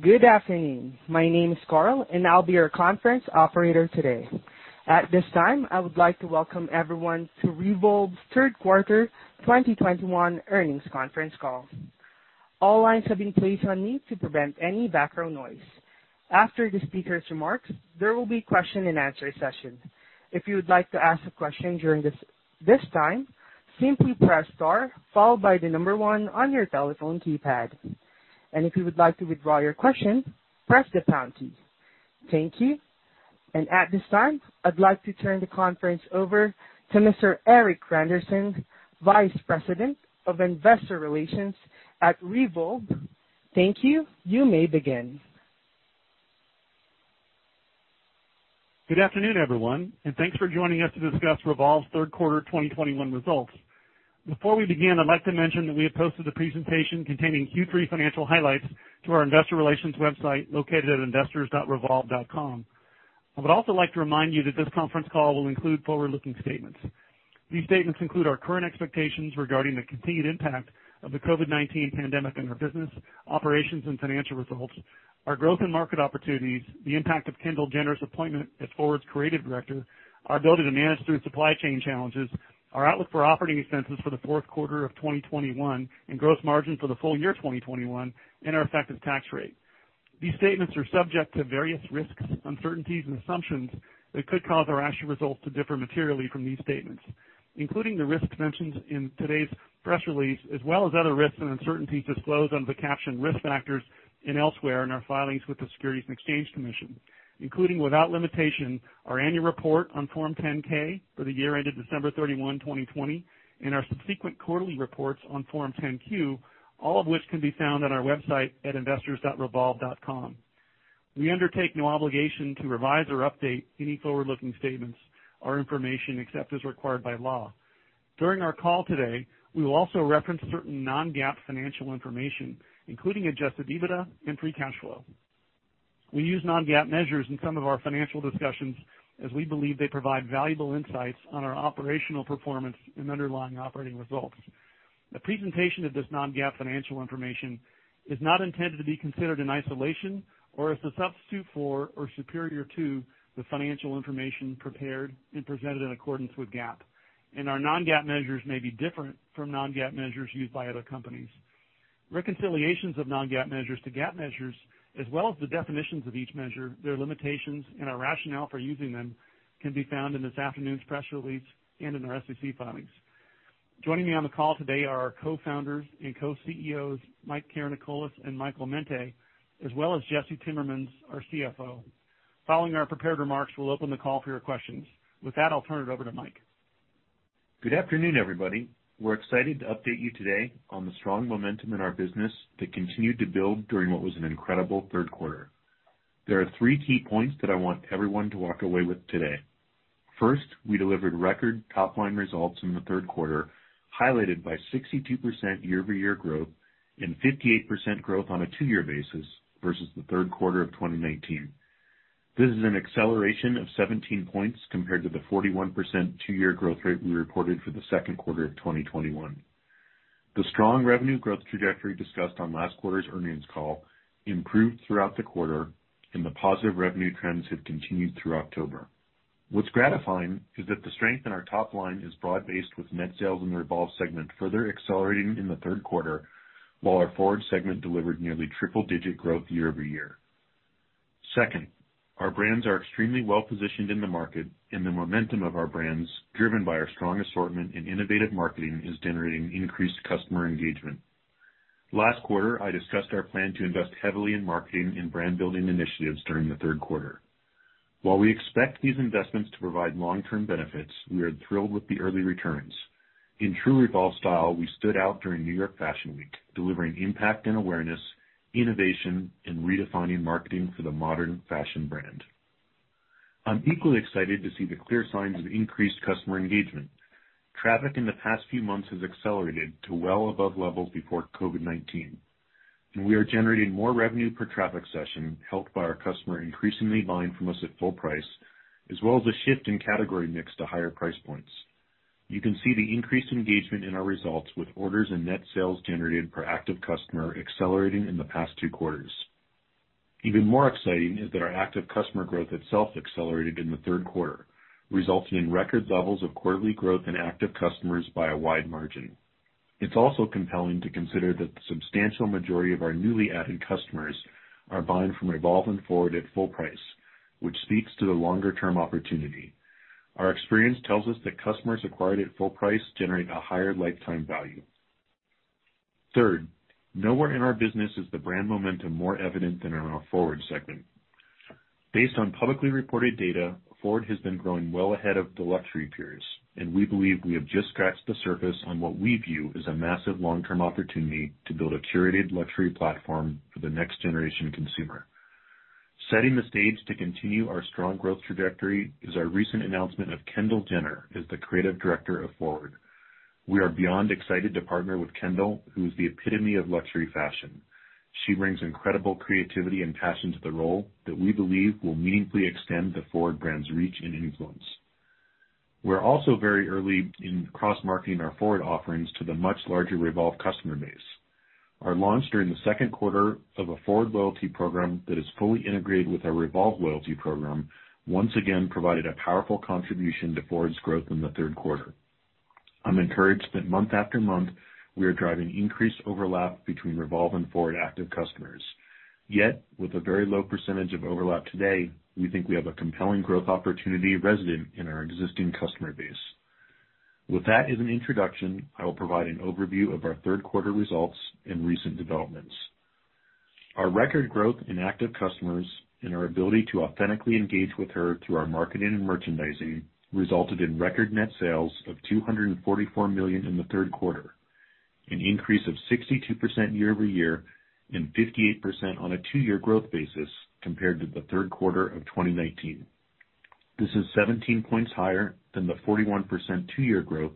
Good afternoon. My name is Carl, and I'll be your conference operator today. At this time, I would like to welcome everyone to Revolve's third quarter 2021 earnings conference call. All lines have been placed on mute to prevent any background noise. After the speaker's remarks, there will be question and answer session. If you would like to ask a question during this time, simply press star followed by the number one on your telephone keypad. If you would like to withdraw your question, press the pound key. Thank you. At this time, I'd like to turn the conference over to Mr. Erik Randerson, Vice President of Investor Relations at Revolve. Thank you. You may begin. Good afternoon, everyone, and thanks for joining us to discuss Revolve's third quarter 2021 results. Before we begin, I'd like to mention that we have posted a presentation containing Q3 financial highlights to our investor relations website located at investors.revolve.com. I would also like to remind you that this conference call will include forward-looking statements. These statements include our current expectations regarding the continued impact of the COVID-19 pandemic on our business, operations, and financial results, our growth and market opportunities, the impact of Kendall Jenner's appointment as FWRD's creative director, our ability to manage through supply chain challenges, our outlook for operating expenses for the fourth quarter of 2021 and gross margin for the full year 2021, and our effective tax rate. These statements are subject to various risks, uncertainties, and assumptions that could cause our actual results to differ materially from these statements, including the risks mentioned in today's press release, as well as other risks and uncertainties disclosed under the caption Risk Factors and elsewhere in our filings with the Securities and Exchange Commission, including, without limitation, our annual report on Form 10-K for the year ended December 31, 2020, and our subsequent quarterly reports on Form 10-Q, all of which can be found on our website at investors.revolve.com. We undertake no obligation to revise or update any forward-looking statements or information except as required by law. During our call today, we will also reference certain non-GAAP financial information, including adjusted EBITDA and free cash flow. We use non-GAAP measures in some of our financial discussions as we believe they provide valuable insights on our operational performance and underlying operating results. The presentation of this non-GAAP financial information is not intended to be considered in isolation or as a substitute for or superior to the financial information prepared and presented in accordance with GAAP, and our non-GAAP measures may be different from non-GAAP measures used by other companies. Reconciliations of non-GAAP measures to GAAP measures as well as the definitions of each measure, their limitations, and our rationale for using them can be found in this afternoon's press release and in our SEC filings. Joining me on the call today are our Co-Founders and Co-CEOs, Mike Karanikolas and Michael Mente, as well as Jesse Timmermans, our CFO. Following our prepared remarks, we'll open the call for your questions. With that, I'll turn it over to Mike. Good afternoon, everybody. We're excited to update you today on the strong momentum in our business that continued to build during what was an incredible third quarter. There are three key points that I want everyone to walk away with today. First, we delivered record top-line results in the third quarter, highlighted by 62% year-over-year growth and 58% growth on a two-year basis versus the third quarter of 2019. This is an acceleration of 17 points compared to the 41% two-year growth rate we reported for the second quarter of 2021. The strong revenue growth trajectory discussed on last quarter's earnings call improved throughout the quarter, and the positive revenue trends have continued through October. What's gratifying is that the strength in our top line is broad-based with net sales in the REVOLVE segment further accelerating in the third quarter, while our FWRD segment delivered nearly triple-digit growth year over year. Second, our brands are extremely well-positioned in the market, and the momentum of our brands, driven by our strong assortment and innovative marketing, is generating increased customer engagement. Last quarter, I discussed our plan to invest heavily in marketing and brand-building initiatives during the third quarter. While we expect these investments to provide long-term benefits, we are thrilled with the early returns. In true Revolve style, we stood out during New York Fashion Week, delivering impact and awareness, innovation, and redefining marketing for the modern fashion brand. I'm equally excited to see the clear signs of increased customer engagement. Traffic in the past few months has accelerated to well above levels before COVID-19, and we are generating more revenue per traffic session, helped by our customer increasingly buying from us at full price, as well as a shift in category mix to higher price points. You can see the increased engagement in our results with orders and net sales generated per active customer accelerating in the past two quarters. Even more exciting is that our active customer growth itself accelerated in the third quarter, resulting in record levels of quarterly growth in active customers by a wide margin. It's also compelling to consider that the substantial majority of our newly added customers are buying from Revolve and FWRD at full price, which speaks to the longer-term opportunity. Our experience tells us that customers acquired at full price generate a higher lifetime value. Third, nowhere in our business is the brand momentum more evident than in our FWRD segment. Based on publicly reported data, FWRD has been growing well ahead of the luxury peers, and we believe we have just scratched the surface on what we view as a massive long-term opportunity to build a curated luxury platform for the next generation consumer. Setting the stage to continue our strong growth trajectory is our recent announcement of Kendall Jenner as the Creative Director of FWRD. We are beyond excited to partner with Kendall, who is the epitome of luxury fashion. She brings incredible creativity and passion to the role that we believe will meaningfully extend the FWRD brand's reach and influence. We're also very early in cross-marketing our FWRD offerings to the much larger Revolve customer base. Our launch during the second quarter of a FWRD loyalty program that is fully integrated with our Revolve loyalty program once again provided a powerful contribution to FWRD's growth in the third quarter. I'm encouraged that month after month we are driving increased overlap between Revolve and FWRD active customers. Yet with a very low percentage of overlap today we think we have a compelling growth opportunity resident in our existing customer base. With that as an introduction I will provide an overview of our third quarter results and recent developments. Our record growth in active customers and our ability to authentically engage with them through our marketing and merchandising resulted in record net sales of $244 million in the third quarter an increase of 62% year-over-year and 58% on a two-year growth basis compared to the third quarter of 2019. This is 17 points higher than the 41% two-year growth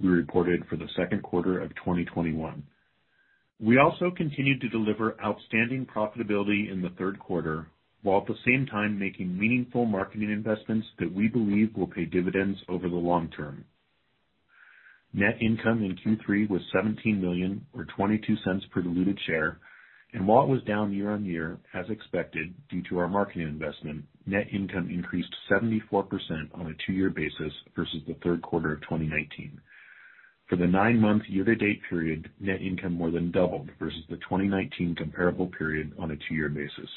we reported for the second quarter of 2021. We also continued to deliver outstanding profitability in the third quarter, while at the same time making meaningful marketing investments that we believe will pay dividends over the long term. Net income in Q3 was $17 million or $0.22 per diluted share, and while it was down year-on-year as expected, due to our marketing investment, net income increased 74% on a two-year basis versus the third quarter of 2019. For the 9-month year-to-date period, net income more than doubled versus the 2019 comparable period on a two-year basis.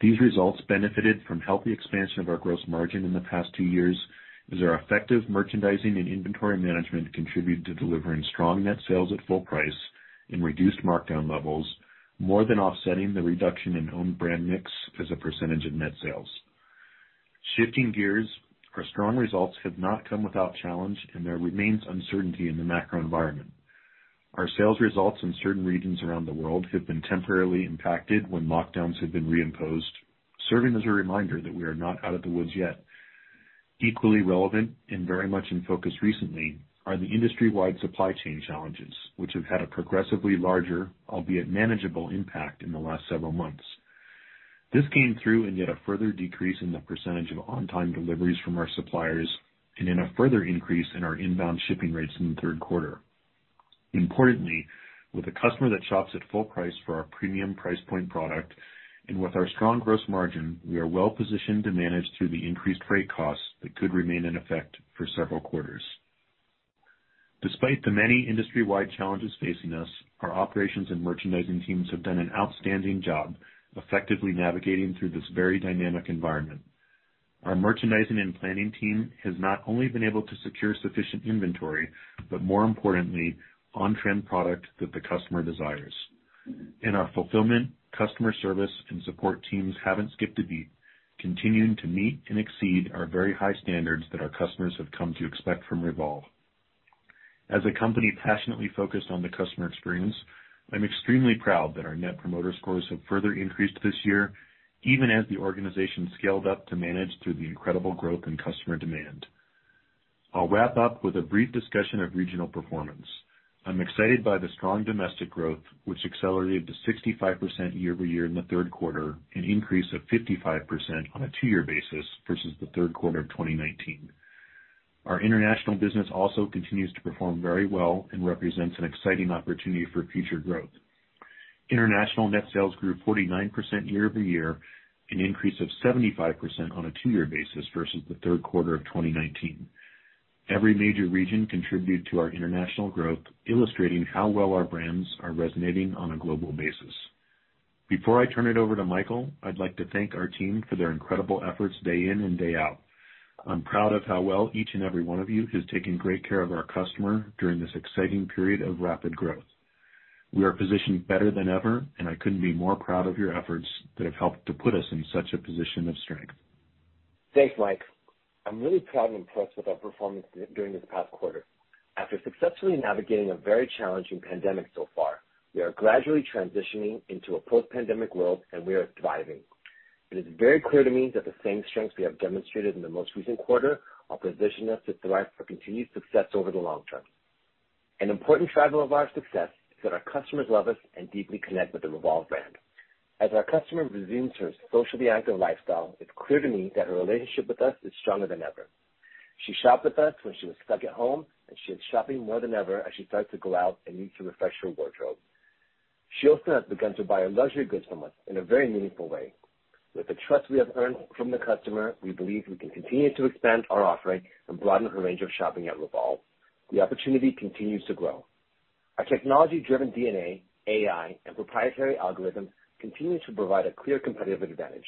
These results benefited from healthy expansion of our gross margin in the past two years, as our effective merchandising and inventory management contributed to delivering strong net sales at full price and reduced markdown levels, more than offsetting the reduction in own brand mix as a percentage of net sales. Shifting gears, our strong results have not come without challenge, and there remains uncertainty in the macro environment. Our sales results in certain regions around the world have been temporarily impacted when lockdowns have been reimposed, serving as a reminder that we are not out of the woods yet. Equally relevant and very much in focus recently are the industry-wide supply chain challenges, which have had a progressively larger, albeit manageable impact in the last several months. This came through in yet a further decrease in the percentage of on-time deliveries from our suppliers and in a further increase in our inbound shipping rates in the third quarter. Importantly, with a customer that shops at full price for our premium price point product and with our strong gross margin, we are well positioned to manage through the increased freight costs that could remain in effect for several quarters. Despite the many industry-wide challenges facing us, our operations and merchandising teams have done an outstanding job effectively navigating through this very dynamic environment. Our merchandising and planning team has not only been able to secure sufficient inventory, but more importantly, on-trend product that the customer desires. Our fulfillment, customer service, and support teams haven't skipped a beat, continuing to meet and exceed our very high standards that our customers have come to expect from Revolve. As a company passionately focused on the customer experience, I'm extremely proud that our Net Promoter Score have further increased this year, even as the organization scaled up to manage through the incredible growth in customer demand. I'll wrap up with a brief discussion of regional performance. I'm excited by the strong domestic growth, which accelerated to 65% year-over-year in the third quarter, an increase of 55% on a two-year basis versus the third quarter of 2019. Our international business also continues to perform very well and represents an exciting opportunity for future growth. International net sales grew 49% year-over-year, an increase of 75% on a two-year basis versus the third quarter of 2019. Every major region contributed to our international growth, illustrating how well our brands are resonating on a global basis. Before I turn it over to Michael, I'd like to thank our team for their incredible efforts day in and day out. I'm proud of how well each and every one of you has taken great care of our customer during this exciting period of rapid growth. We are positioned better than ever, and I couldn't be more proud of your efforts that have helped to put us in such a position of strength. Thanks, Mike. I'm really proud and impressed with our performance during this past quarter. After successfully navigating a very challenging pandemic so far, we are gradually transitioning into a post-pandemic world, and we are thriving. It is very clear to me that the same strengths we have demonstrated in the most recent quarter will position us to thrive for continued success over the long term. An important driver of our success is that our customers love us and deeply connect with the Revolve brand. As our customer resumes her socially active lifestyle, it's clear to me that her relationship with us is stronger than ever. She shopped with us when she was stuck at home, and she is shopping more than ever as she starts to go out and needs to refresh her wardrobe. She also has begun to buy her luxury goods from us in a very meaningful way. With the trust we have earned from the customer, we believe we can continue to expand our offering and broaden her range of shopping at Revolve. The opportunity continues to grow. Our technology-driven DNA, AI, and proprietary algorithms continue to provide a clear competitive advantage.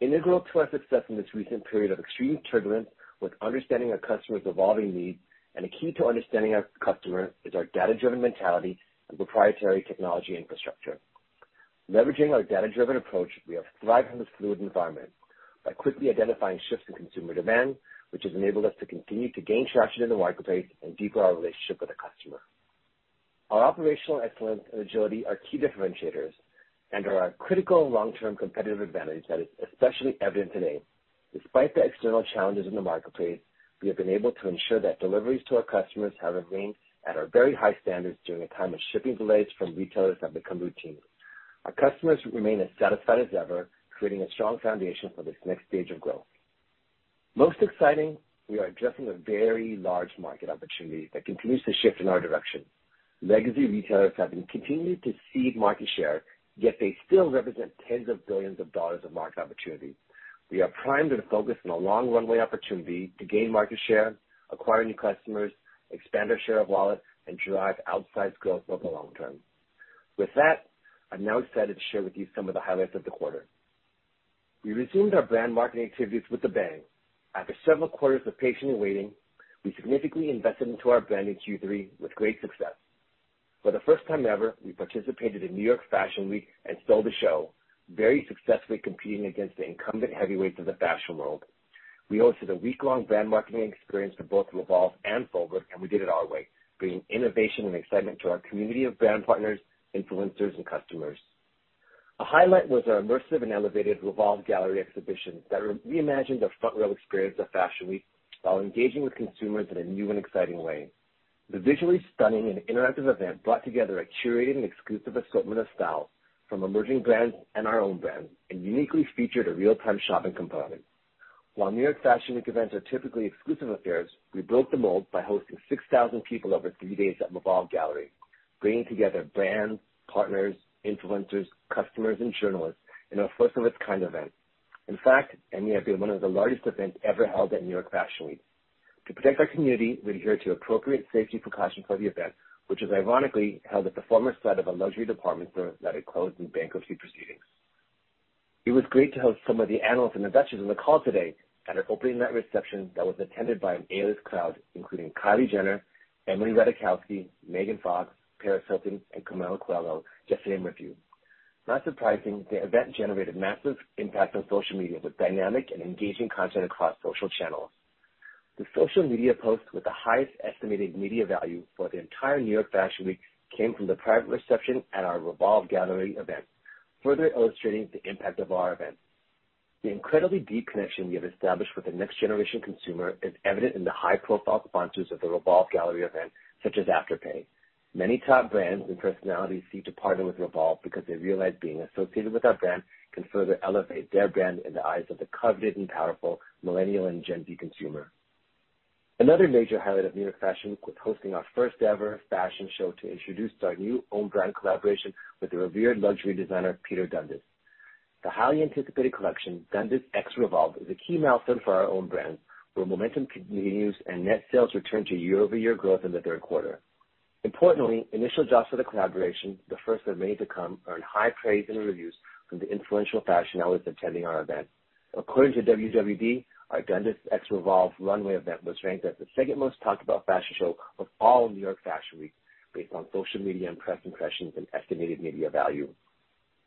Integral to our success in this recent period of extreme turbulence with understanding our customers' evolving needs and a key to understanding our customer is our data-driven mentality and proprietary technology infrastructure. Leveraging our data-driven approach, we have thrived in this fluid environment by quickly identifying shifts in consumer demand, which has enabled us to continue to gain traction in the marketplace and deepen our relationship with the customer. Our operational excellence and agility are key differentiators and are our critical long-term competitive advantage that is especially evident today. Despite the external challenges in the marketplace, we have been able to ensure that deliveries to our customers have remained at our very high standards during a time when shipping delays from retailers have become routine. Our customers remain as satisfied as ever, creating a strong foundation for this next stage of growth. Most exciting, we are addressing a very large market opportunity that continues to shift in our direction. Legacy retailers have been continuing to cede market share, yet they still represent tens of billions of dollars of market opportunity. We are primed and focused on a long runway opportunity to gain market share, acquire new customers, expand our share of wallet, and drive outsized growth over the long term. With that, I'm now excited to share with you some of the highlights of the quarter. We resumed our brand marketing activities with a bang. After several quarters of patiently waiting, we significantly invested into our brand in Q3 with great success. For the first time ever, we participated in New York Fashion Week and stole the show, very successfully competing against the incumbent heavyweights of the fashion world. We hosted a week-long brand marketing experience for both Revolve and FWRD, and we did it our way, bringing innovation and excitement to our community of brand partners, influencers, and customers. A highlight was our immersive and elevated REVOLVE Gallery exhibition that reimagined the front row experience of Fashion Week while engaging with consumers in a new and exciting way. The visually stunning and interactive event brought together a curated and exclusive assortment of styles from emerging brands and our own brands, and uniquely featured a real-time shopping component. While New York Fashion Week events are typically exclusive affairs, we broke the mold by hosting 6,000 people over 3 days at REVOLVE Gallery, bringing together brands, partners, influencers, customers, and journalists in a first of its kind event, in fact, and yet being one of the largest events ever held at New York Fashion Week. To protect our community, we adhered to appropriate safety precautions for the event, which was ironically held at the former site of a luxury department store that had closed in bankruptcy proceedings. It was great to host some of the analysts and investors on the call today at our opening night reception that was attended by an A-list crowd, including Kylie Jenner, Emily Ratajkowski, Megan Fox, Paris Hilton, and Camila Coelho, just to name a few. Not surprising, the event generated massive impact on social media, with dynamic and engaging content across social channels. The social media post with the highest estimated media value for the entire New York Fashion Week came from the private reception at our REVOLVE Gallery event, further illustrating the impact of our event. The incredibly deep connection we have established with the next generation consumer is evident in the high-profile sponsors of the REVOLVE Gallery event, such as Afterpay. Many top brands and personalities seek to partner with Revolve because they realize being associated with our brand can further elevate their brand in the eyes of the coveted and powerful Millennial and Gen Z consumer. Another major highlight of New York Fashion Week was hosting our first ever fashion show to introduce our new own brand collaboration with the revered luxury designer, Peter Dundas. The highly anticipated collection, DUNDAS x REVOLVE, is a key milestone for our own brand, where momentum continues and net sales return to year-over-year growth in the third quarter. Importantly, initial drops for the collaboration, the first of many to come, earned high praise and reviews from the influential fashion outlets attending our event. According to WWD, our DUNDAS x REVOLVE runway event was ranked as the second most talked about fashion show of all New York Fashion Week based on social media, press impressions, and estimated media value.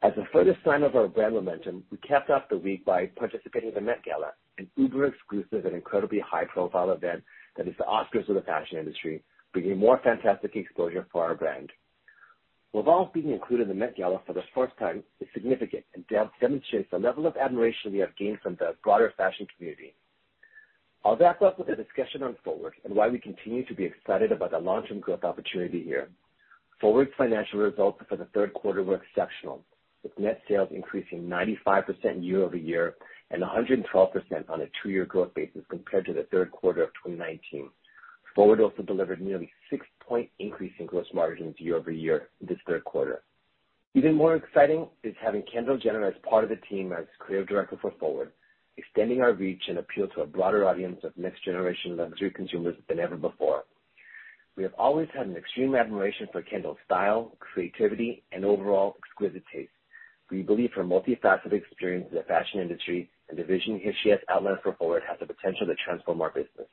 As a further sign of our brand momentum, we capped off the week by participating in the Met Gala, an uber exclusive and incredibly high-profile event that is the Oscars of the fashion industry, bringing more fantastic exposure for our brand. Revolve being included in the Met Gala for the first time is significant and demonstrates the level of admiration we have gained from the broader fashion community. I'll wrap up with a discussion on FWRD and why we continue to be excited about the long-term growth opportunity here. FWRD's financial results for the third quarter were exceptional, with net sales increasing 95% year over year and 112% on a two-year growth basis compared to the third quarter of 2019. FWRD also delivered nearly six-point increase in gross margins year over year this third quarter. Even more exciting is having Kendall Jenner as part of the team as creative director for FWRD, extending our reach and appeal to a broader audience of next-generation luxury consumers than ever before. We have always had an extreme admiration for Kendall's style, creativity, and overall exquisite taste. We believe her multifaceted experience in the fashion industry and the vision she has outlined for FWRD has the potential to transform our business.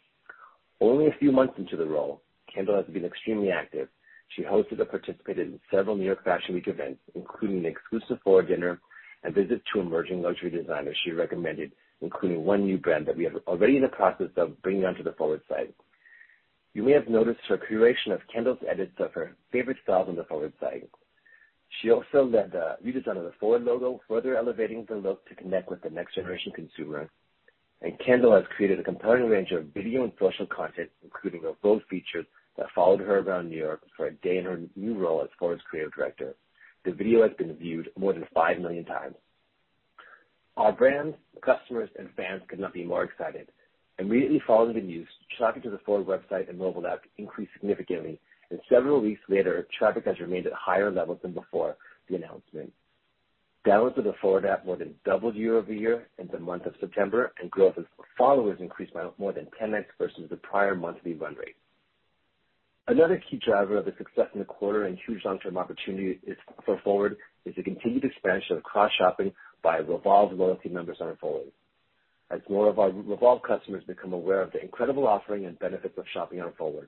Only a few months into the role, Kendall has been extremely active. She hosted and participated in several New York Fashion Week events, including an exclusive FWRD dinner and visits to emerging luxury designers she recommended, including one new brand that we have already in the process of bringing onto the FWRD site. You may have noticed her curation of Kendall's edits of her favorite styles on the FWRD site. She also led the redesign of the FWRD logo, further elevating the look to connect with the next generation consumer. Kendall has created a compelling range of video and social content, including a Vogue feature that followed her around New York for a day in her new role as FWRD's creative director. The video has been viewed more than 5 million times. Our brands, customers, and fans could not be more excited. Immediately following the news, traffic to the FWRD website and mobile app increased significantly, and several weeks later, traffic has remained at higher levels than before the announcement. Downloads of the FWRD app more than doubled year-over-year in the month of September, and growth of followers increased by more than 10x versus the prior monthly run rate. Another key driver of the success in the quarter and huge long-term opportunity for FWRD is the continued expansion of cross-shopping by Revolve loyalty members on FWRD, as more of our Revolve customers become aware of the incredible offering and benefits of shopping on FWRD.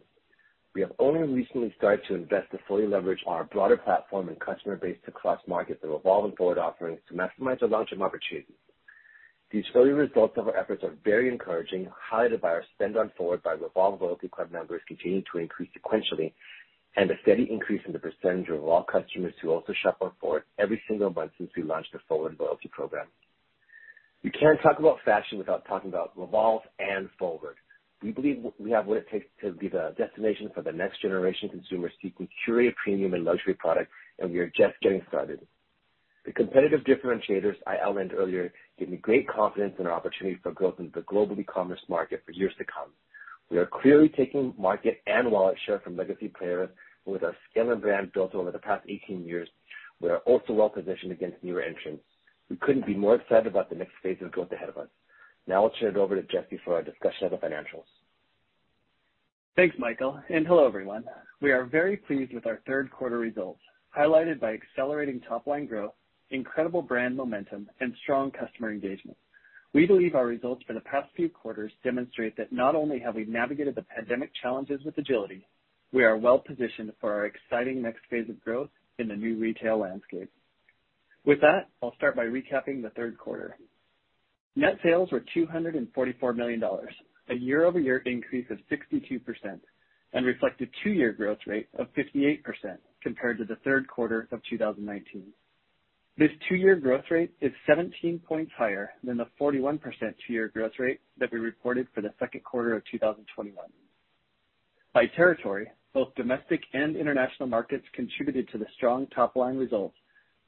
We have only recently started to invest to fully leverage our broader platform and customer base to cross-market the Revolve and FWRD offerings to maximize the long-term opportunity. The early results of our efforts are very encouraging. High buyer spend on FWRD by Revolve loyalty club members continue to increase sequentially, and a steady increase in the percentage of Revolve customers who also shop on FWRD every single month since we launched the FWRD loyalty program. We can't talk about fashion without talking about Revolve and FWRD. We believe we have what it takes to be the destination for the next generation consumers seeking curated premium and luxury product, and we are just getting started. The competitive differentiators I outlined earlier give me great confidence in our opportunity for growth in the global e-commerce market for years to come. We are clearly taking market and wallet share from legacy players with our scale and brand built over the past 18 years. We are also well positioned against newer entrants. We couldn't be more excited about the next phase of growth ahead of us. Now I'll turn it over to Jesse for our discussion of the financials. Thanks, Michael, and hello, everyone. We are very pleased with our third quarter results, highlighted by accelerating top line growth, incredible brand momentum, and strong customer engagement. We believe our results for the past few quarters demonstrate that not only have we navigated the pandemic challenges with agility, we are well positioned for our exciting next phase of growth in the new retail landscape. With that, I'll start by recapping the third quarter. Net sales were $244 million, a year-over-year increase of 62% and reflect a two-year growth rate of 58% compared to the third quarter of 2019. This two-year growth rate is 17 points higher than the 41% two-year growth rate that we reported for the second quarter of 2021. By territory, both domestic and international markets contributed to the strong top line results,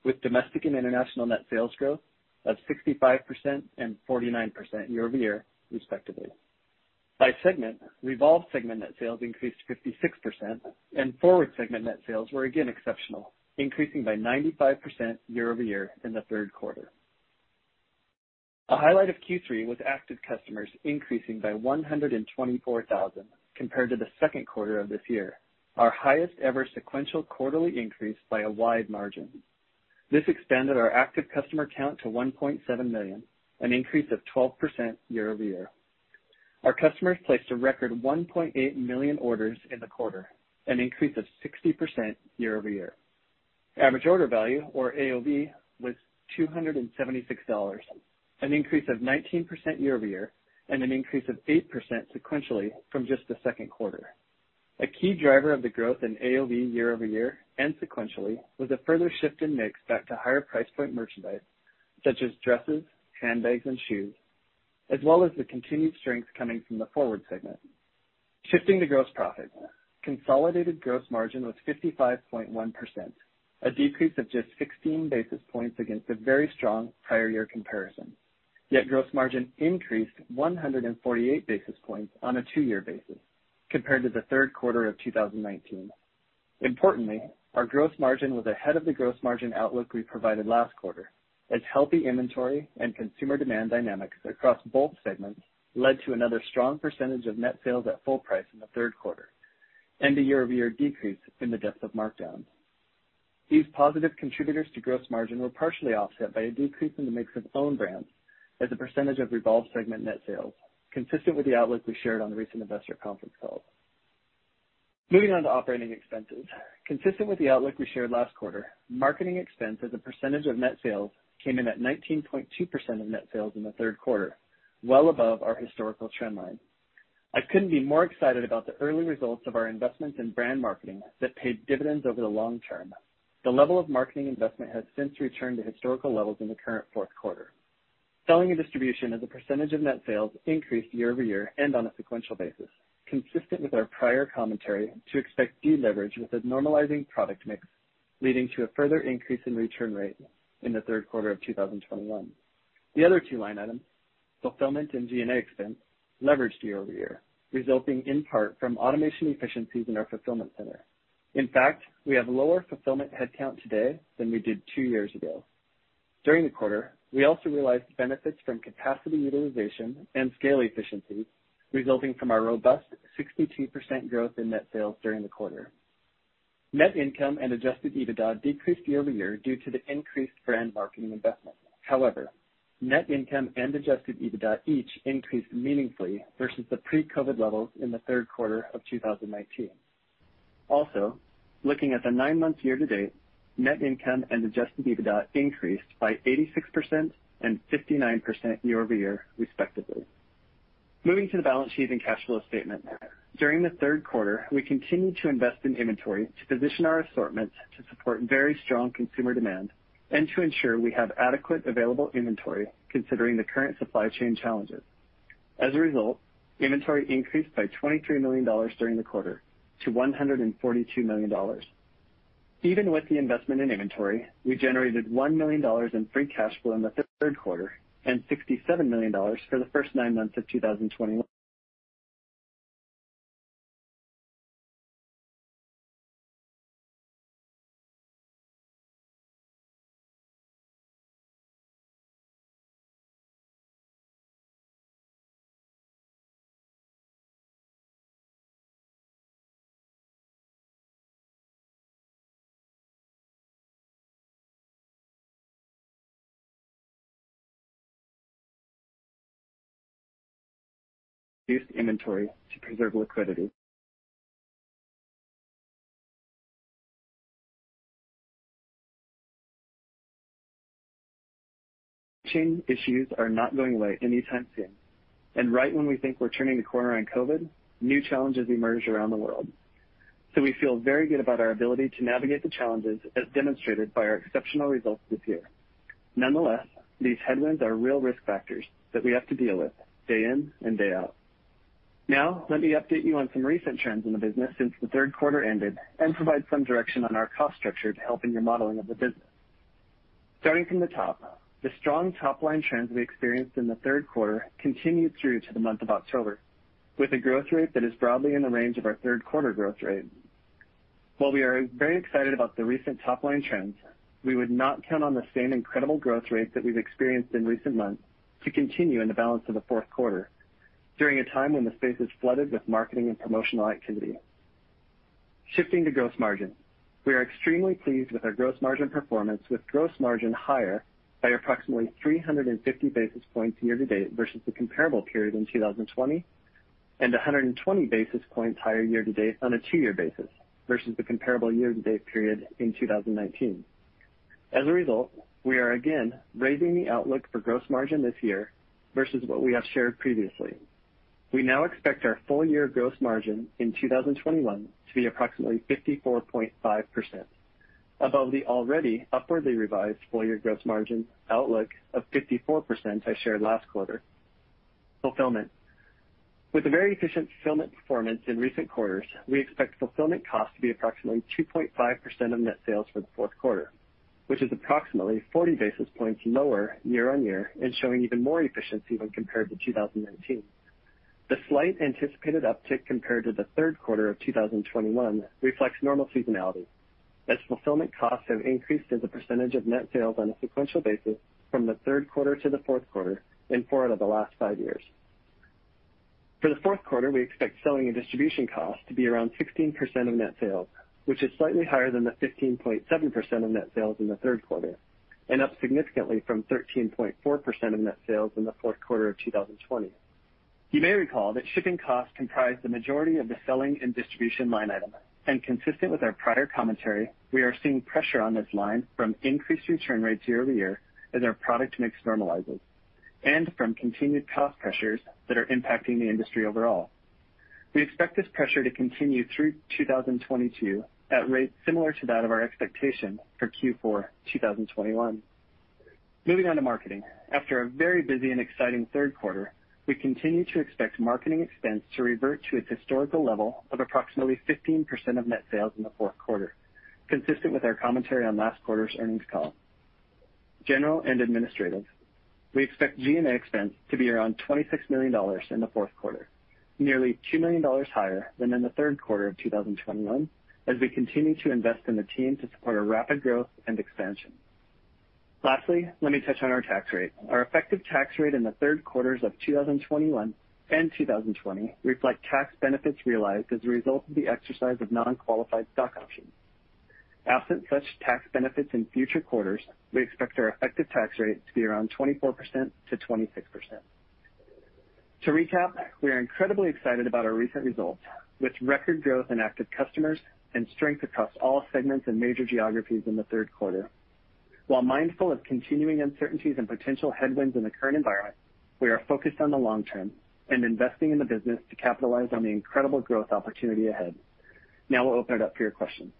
with domestic and international net sales growth of 65% and 49% year-over-year, respectively. By segment, REVOLVE segment net sales increased 56%, and FWRD segment net sales were again exceptional, increasing by 95% year-over-year in the third quarter. A highlight of Q3 was active customers increasing by 124,000 compared to the second quarter of this year, our highest ever sequential quarterly increase by a wide margin. This expanded our active customer count to 1.7 million, an increase of 12% year-over-year. Our customers placed a record 1.8 million orders in the quarter, an increase of 60% year-over-year. Average order value, or AOV, was $276, an increase of 19% year-over-year, and an increase of 8% sequentially from just the second quarter. A key driver of the growth in AOV year-over-year and sequentially was a further shift in mix back to higher price point merchandise such as dresses, handbags, and shoes, as well as the continued strength coming from the FWRD segment. Shifting to gross profit. Consolidated gross margin was 55.1%, a decrease of just 16 basis points against a very strong prior year comparison. Yet gross margin increased 148 basis points on a two-year basis compared to the third quarter of 2019. Importantly, our gross margin was ahead of the gross margin outlook we provided last quarter, as healthy inventory and consumer demand dynamics across both segments led to another strong percentage of net sales at full price in the third quarter and a year-over-year decrease in the depth of markdown. These positive contributors to gross margin were partially offset by a decrease in the mix of own brands as a percentage of REVOLVE segment net sales, consistent with the outlook we shared on the recent investor conference call. Moving on to operating expenses. Consistent with the outlook we shared last quarter, marketing expense as a percentage of net sales came in at 19.2% of net sales in the third quarter, well above our historical trend line. I couldn't be more excited about the early results of our investment in brand marketing that paid dividends over the long term. The level of marketing investment has since returned to historical levels in the current fourth quarter. Selling and distribution as a percentage of net sales increased year-over-year and on a sequential basis, consistent with our prior commentary to expect deleverage with a normalizing product mix, leading to a further increase in return rate in the third quarter of 2021. The other two line items, fulfillment and G&A expense, leveraged year-over-year, resulting in part from automation efficiencies in our fulfillment center. In fact, we have lower fulfillment headcount today than we did two years ago. During the quarter, we also realized benefits from capacity utilization and scale efficiencies resulting from our robust 62% growth in net sales during the quarter. Net income and adjusted EBITDA decreased year-over-year due to the increased brand marketing investment. However, net income and adjusted EBITDA each increased meaningfully versus the pre-COVID levels in the third quarter of 2019. Also, looking at the nine months year to date, net income and adjusted EBITDA increased by 86% and 59% year-over-year, respectively. Moving to the balance sheet and cash flow statement. During the third quarter, we continued to invest in inventory to position our assortments to support very strong consumer demand and to ensure we have adequate available inventory considering the current supply chain challenges. As a result, inventory increased by $23 million during the quarter to $142 million. Even with the investment in inventory, we generated $1 million in free cash flow in the third quarter and $67 million for the first nine months of 2021. We reduced inventory to preserve liquidity. Supply chain issues are not going away anytime soon. Right when we think we're turning the corner on COVID-19, new challenges emerge around the world. We feel very good about our ability to navigate the challenges, as demonstrated by our exceptional results this year. Nonetheless, these headwinds are real risk factors that we have to deal with day in and day out. Now, let me update you on some recent trends in the business since the third quarter ended and provide some direction on our cost structure to help in your modeling of the business. Starting from the top, the strong top-line trends we experienced in the third quarter continued through to the month of October, with a growth rate that is broadly in the range of our third quarter growth rate. While we are very excited about the recent top-line trends, we would not count on the same incredible growth rates that we've experienced in recent months to continue in the balance of the fourth quarter during a time when the space is flooded with marketing and promotional activity. Shifting to gross margin. We are extremely pleased with our gross margin performance, with gross margin higher by approximately 350 basis points year to date versus the comparable period in 2020, and 120 basis points higher year to date on a two-year basis versus the comparable year-to-date period in 2019. As a result, we are again raising the outlook for gross margin this year versus what we have shared previously. We now expect our full year gross margin in 2021 to be approximately 54.5%, above the already upwardly revised full year gross margin outlook of 54% I shared last quarter. Fulfillment. With a very efficient fulfillment performance in recent quarters, we expect fulfillment costs to be approximately 2.5% of net sales for the fourth quarter, which is approximately 40 basis points lower year-on-year and showing even more efficiency when compared to 2019. The slight anticipated uptick compared to the third quarter of 2021 reflects normal seasonality, as fulfillment costs have increased as a percentage of net sales on a sequential basis from the third quarter to the fourth quarter in four out of the last five years. For the fourth quarter, we expect selling and distribution costs to be around 16% of net sales, which is slightly higher than the 15.7% of net sales in the third quarter, and up significantly from 13.4% of net sales in the fourth quarter of 2020. You may recall that shipping costs comprise the majority of the selling and distribution line item, and consistent with our prior commentary, we are seeing pressure on this line from increased return rates year over year as our product mix normalizes and from continued cost pressures that are impacting the industry overall. We expect this pressure to continue through 2022 at rates similar to that of our expectation for Q4 2021. Moving on to marketing. After a very busy and exciting third quarter, we continue to expect marketing expense to revert to its historical level of approximately 15% of net sales in the fourth quarter, consistent with our commentary on last quarter's earnings call. General and administrative. We expect G&A expense to be around $26 million in the fourth quarter, nearly $2 million higher than in the third quarter of 2021, as we continue to invest in the team to support our rapid growth and expansion. Lastly, let me touch on our tax rate. Our effective tax rate in the third quarters of 2021 and 2020 reflect tax benefits realized as a result of the exercise of non-qualified stock options. Absent such tax benefits in future quarters, we expect our effective tax rate to be around 24%-26%. To recap, we are incredibly excited about our recent results, with record growth in active customers and strength across all segments and major geographies in the third quarter. While mindful of continuing uncertainties and potential headwinds in the current environment, we are focused on the long term and investing in the business to capitalize on the incredible growth opportunity ahead. Now we'll open it up for your questions.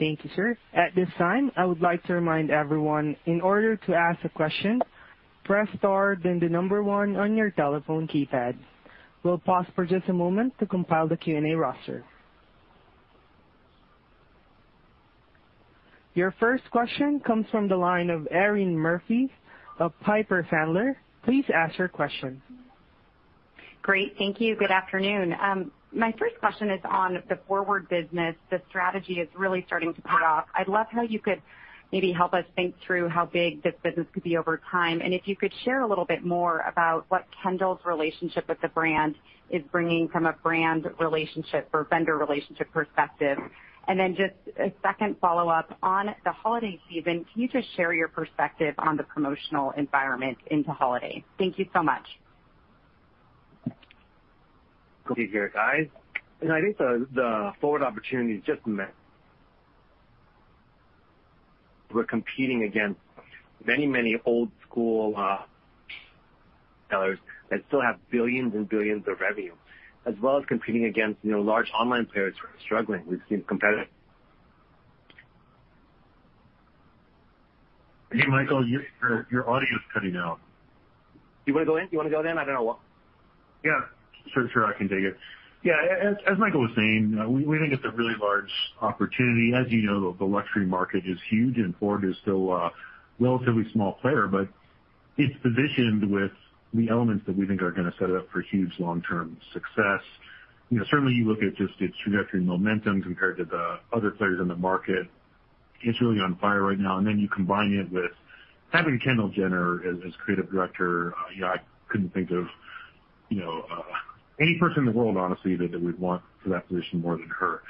Thank you, sir. At this time, I would like to remind everyone, in order to ask a question, press star then the number one on your telephone keypad. We'll pause for just a moment to compile the Q&A roster. Your first question comes from the line of Erinn Murphy of Piper Sandler. Please ask your question. Great, thank you. Good afternoon. My first question is on the FWRD business. The strategy is really starting to pay off. I'd love how you could maybe help us think through how big this business could be over time, and if you could share a little bit more about what Kendall's relationship with the brand is bringing from a brand relationship or vendor relationship perspective. Just a second follow-up. On the holiday season, can you just share your perspective on the promotional environment into holiday? Thank you so much. Guys. I think the FWRD opportunity is just. We're competing against many, many old-school sellers that still have billions and billions of revenue, as well as competing against, you know, large online players who are struggling with competitive- Hey, Michael, your audio's cutting out. You wanna go in? You wanna go then? I don't know what. Yeah, sure, I can take it. Yeah, as Michael was saying, we think it's a really large opportunity. As you know, the luxury market is huge, and FWRD is still a relatively small player, but it's positioned with the elements that we think are gonna set it up for huge long-term success. You know, certainly you look at just its trajectory and momentum compared to the other players in the market. It's really on fire right now and then you combine it with having Kendall Jenner as Creative Director. You know, I couldn't think of you know any person in the world, honestly, that we'd want for that position more than her.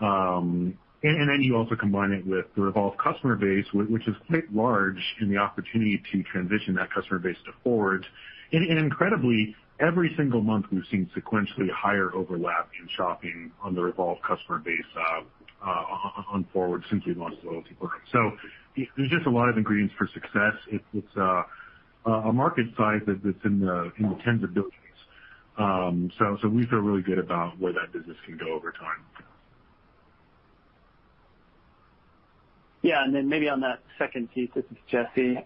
Then you also combine it with the Revolve customer base, which is quite large, and the opportunity to transition that customer base to FWRD. Incredibly, every single month, we've seen sequentially higher overlap and shopping on the Revolve customer base on FWRD since we've launched the loyalty program. There's just a lot of ingredients for success. It's a market size that's in the tens of billions. We feel really good about where that business can go over time. Yeah. Maybe on that second piece, this is Jesse.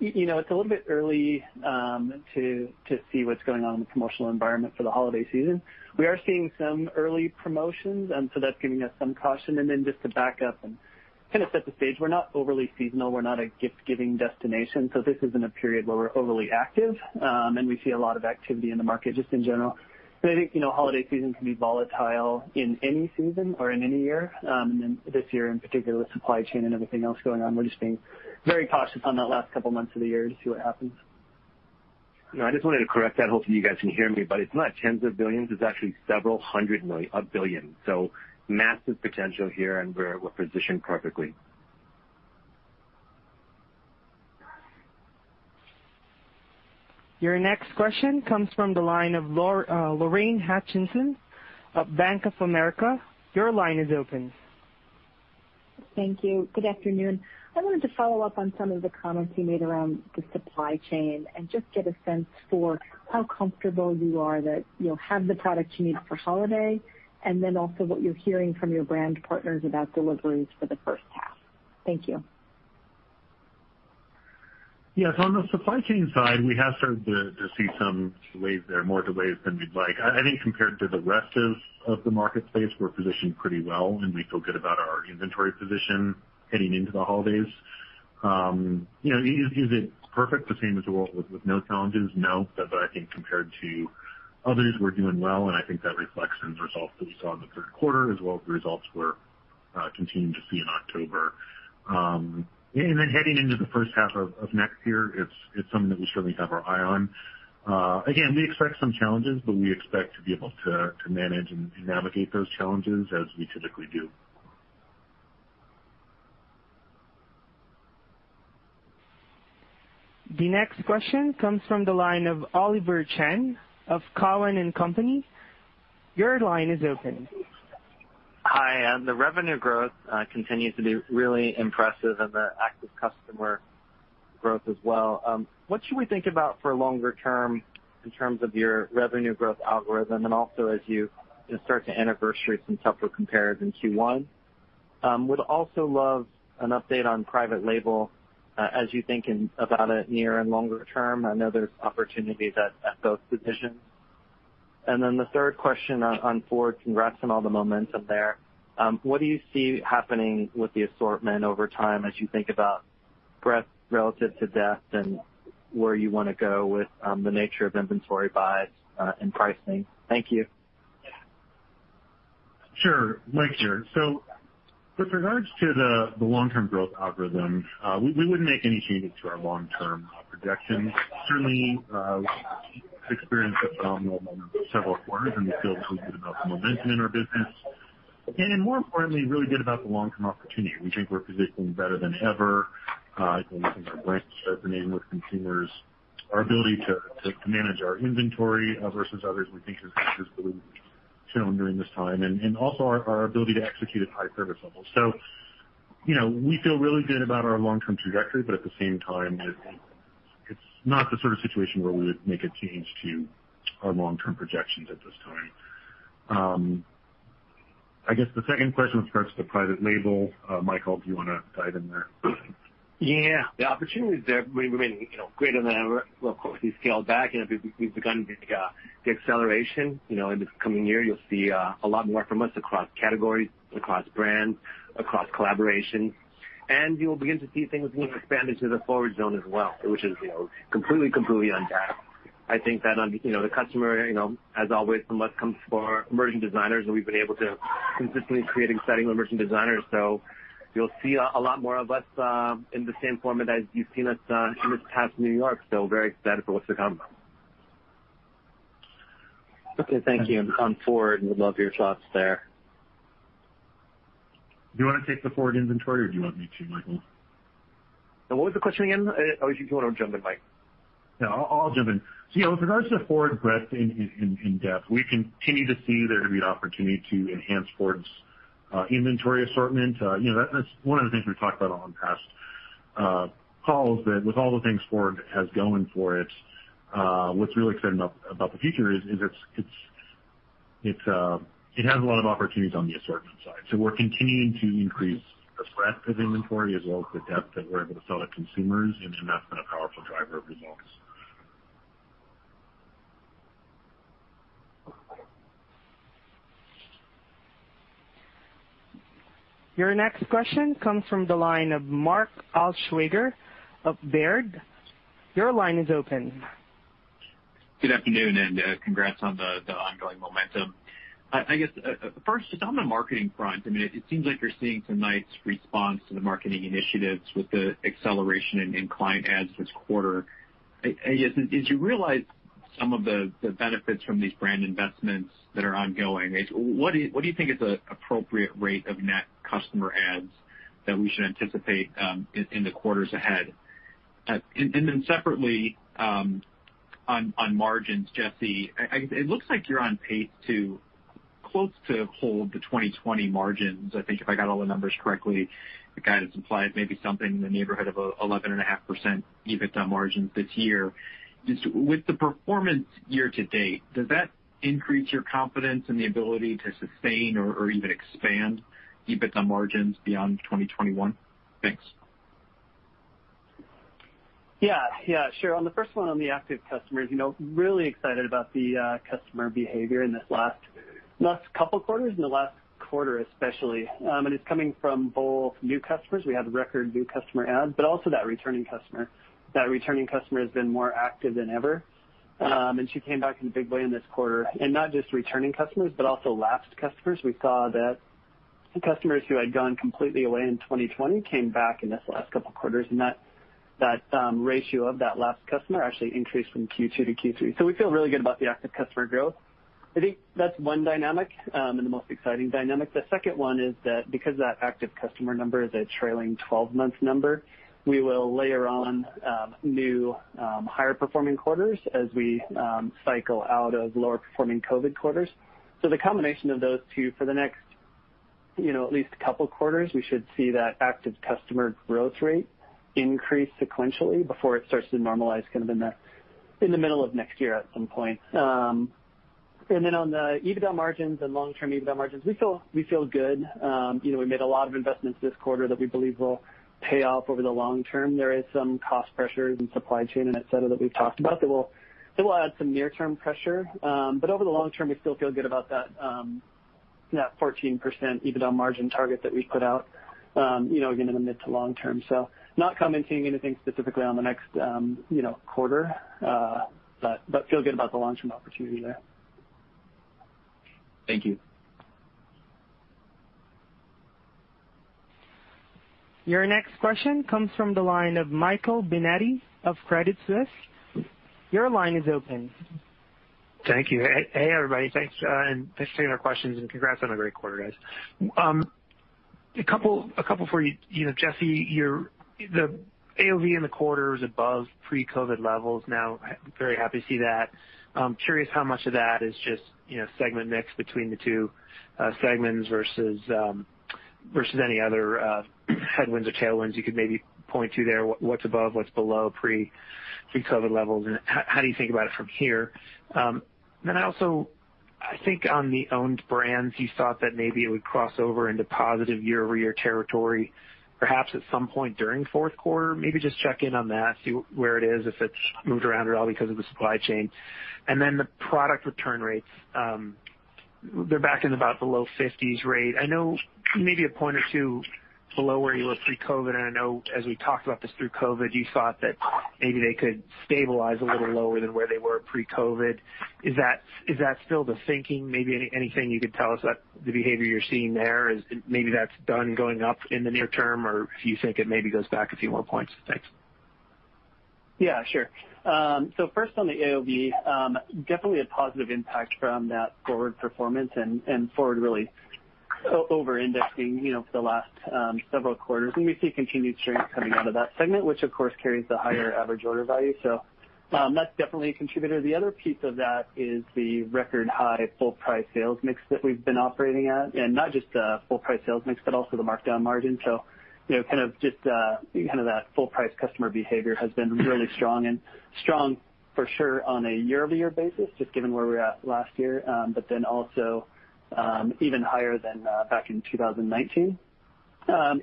You know, it's a little bit early to see what's going on in the commercial environment for the holiday season. We are seeing some early promotions, and so that's giving us some caution. Just to back up and kind of set the stage, we're not overly seasonal, we're not a gift giving destination, so this isn't a period where we're overly active, and we see a lot of activity in the market just in general. I think, you know, holiday season can be volatile in any season or in any year. This year in particular, with supply chain and everything else going on, we're just being very cautious on that last couple of months of the year to see what happens. No, I just wanted to correct that. Hopefully, you guys can hear me, but it's not $ tens of billions. It's actually $ several hundred million, $1 billion. Massive potential here, and we're positioned perfectly. Your next question comes from the line of Lorraine Hutchinson of Bank of America. Your line is open. Thank you. Good afternoon. I wanted to follow up on some of the comments you made around the supply chain and just get a sense for how comfortable you are that you'll have the products you need for holiday, and then also what you're hearing from your brand partners about deliveries for the first half. Thank you. Yes. On the supply chain side, we have started to see some delays there, more delays than we'd like. I think compared to the rest of the marketplace, we're positioned pretty well, and we feel good about our inventory position heading into the holidays. You know, is it perfect, the same as a world with no challenges? No, but I think compared to others, we're doing well, and I think that reflects in the results that we saw in the third quarter, as well as the results we're continuing to see in October. Heading into the first half of next year, it's something that we certainly have our eye on. Again, we expect some challenges, but we expect to be able to manage and navigate those challenges as we typically do. The next question comes from the line of Oliver Chen of Cowen and Company. Your line is open. Hi. The revenue growth continues to be really impressive and the active customer growth as well. What should we think about for longer term in terms of your revenue growth algorithm and also as you start to anniversary some tougher compares in Q1? Would also love an update on private label, as you think about it near and longer term. I know there's opportunity at both positions. The third question on FWRD. Congrats on all the momentum there. What do you see happening with the assortment over time as you think about breadth relative to depth and where you wanna go with the nature of inventory buys and pricing? Thank you. Sure. Mike here. With regard to the long-term growth algorithm, we wouldn't make any changes to our long-term projections. We've certainly experienced a phenomenal several quarters, and we feel really good about the momentum in our business and more importantly, really good about the long-term opportunity. We think we're positioned better than ever. You know, we think our brand resonated with consumers. Our ability to manage our inventory versus others, we think has just really shown during this time and also our ability to execute at high service levels. You know, we feel really good about our long-term trajectory, but at the same time, it's not the sort of situation where we would make a change to our long-term projections at this time. I guess the second question refers to private label. Michael, do you wanna dive in there? Yeah. The opportunity is there. We remain, you know, greater than ever. Of course, we've scaled back. You know, we've begun the acceleration. You know, in this coming year you'll see a lot more from us across categories, across brands, across collaborations, and you'll begin to see things being expanded to the FWRD zone as well, which is, you know, completely untapped. I think that on the customer, you know, as always from us comes for emerging designers, and we've been able to consistently create exciting emerging designers. So you'll see a lot more of us in the same format as you've seen us in this past New York. So very excited for what's to come. Okay. Thank you. On FWRD, would love your thoughts there. Do you wanna take the FWRD inventory or do you want me to, Michael? What was the question again? Or if you wanna jump in, Mike. No, I'll jump in. So, you know, with regards to the FWRD breadth and depth, we continue to see there to be an opportunity to enhance FWRD's inventory assortment. You know, that's one of the things we've talked about on past calls, that with all the things FWRD has going for it, what's really exciting about the future is it has a lot of opportunities on the assortment side. So we're continuing to increase the breadth of inventory as well as the depth that we're able to sell to consumers. That's been a powerful driver of results. Your next question comes from the line of Mark Altschwager of Baird. Your line is open. Good afternoon and, congrats on the ongoing momentum. I guess first, just on the marketing front, I mean, it seems like you're seeing some nice response to the marketing initiatives with the acceleration in client adds this quarter. I guess, as you realize some of the benefits from these brand investments that are ongoing, what do you think is the appropriate rate of net customer adds that we should anticipate in the quarters ahead? And then separately, on margins, Jesse, it looks like you're on pace to close to hold the 2020 margins. I think if I got all the numbers correctly, the guidance implies maybe something in the neighborhood of 11.5% EBITDA margins this year. Just with the performance year to date, does that increase your confidence in the ability to sustain or even expand EBITDA margins beyond 2021? Thanks. Yeah, yeah, sure. On the first one, on the active customers, you know, really excited about the customer behavior in this last couple quarters, in the last quarter, especially. It's coming from both new customers, we had record new customer adds, but also that returning customer. That returning customer has been more active than ever. She came back in a big way in this quarter. Not just returning customers, but also lapsed customers. We saw that customers who had gone completely away in 2020 came back in this last couple quarters, and that ratio of that lapsed customer actually increased from Q2 to Q3. We feel really good about the active customer growth. I think that's one dynamic, and the most exciting dynamic. The second one is that because that active customer number is a trailing twelve-month number, we will layer on new higher performing quarters as we cycle out of lower performing COVID quarters. The combination of those two for the next, you know, at least a couple quarters, we should see that active customer growth rate increase sequentially before it starts to normalize kind of in the middle of next year at some point. On the EBITDA margins and long-term EBITDA margins, we feel good. You know, we made a lot of investments this quarter that we believe will pay off over the long term. There is some cost pressures in supply chain and et cetera that we've talked about that will add some near-term pressure. Over the long term, we still feel good about that 14% EBITDA margin target that we put out, you know, again, in the mid- to long-term. Not commenting anything specifically on the next quarter, you know, but feel good about the long-term opportunity there. Thank you. Your next question comes from the line of Michael Binetti of Credit Suisse. Your line is open. Thank you. Hey, everybody. Thanks, and thanks for taking our questions and congrats on a great quarter, guys. A couple for you. You know, Jesse, the AOV in the quarter is above pre-COVID levels now. Very happy to see that. I'm curious how much of that is just, you know, segment mix between the two segments versus any other headwinds or tailwinds you could maybe point to there, what's above, what's below pre-COVID levels, and how do you think about it from here? Then I also think on the owned brands, you thought that maybe it would cross over into positive year-over-year territory, perhaps at some point during fourth quarter. Maybe just check in on that, see where it is, if it's moved around at all because of the supply chain. The product return rates, they're back in about the low 50s%. I know maybe a point or two below where you were pre-COVID, and I know as we talked about this through COVID, you thought that maybe they could stabilize a little lower than where they were pre-COVID. Is that still the thinking? Maybe anything you could tell us about the behavior you're seeing there? Is it maybe that's done going up in the near term, or do you think it maybe goes back a few more points? Thanks. Yeah, sure. First on the AOV, definitely a positive impact from that forward performance and forward really over-indexing, you know, for the last several quarters. We see continued strength coming out of that segment, which of course carries the higher average order value. That's definitely a contributor. The other piece of that is the record high full price sales mix that we've been operating at, and not just the full price sales mix, but also the markdown margin. You know, kind of that full price customer behavior has been really strong, and strong for sure on a year-over-year basis, just given where we're at last year, even higher than back in 2019.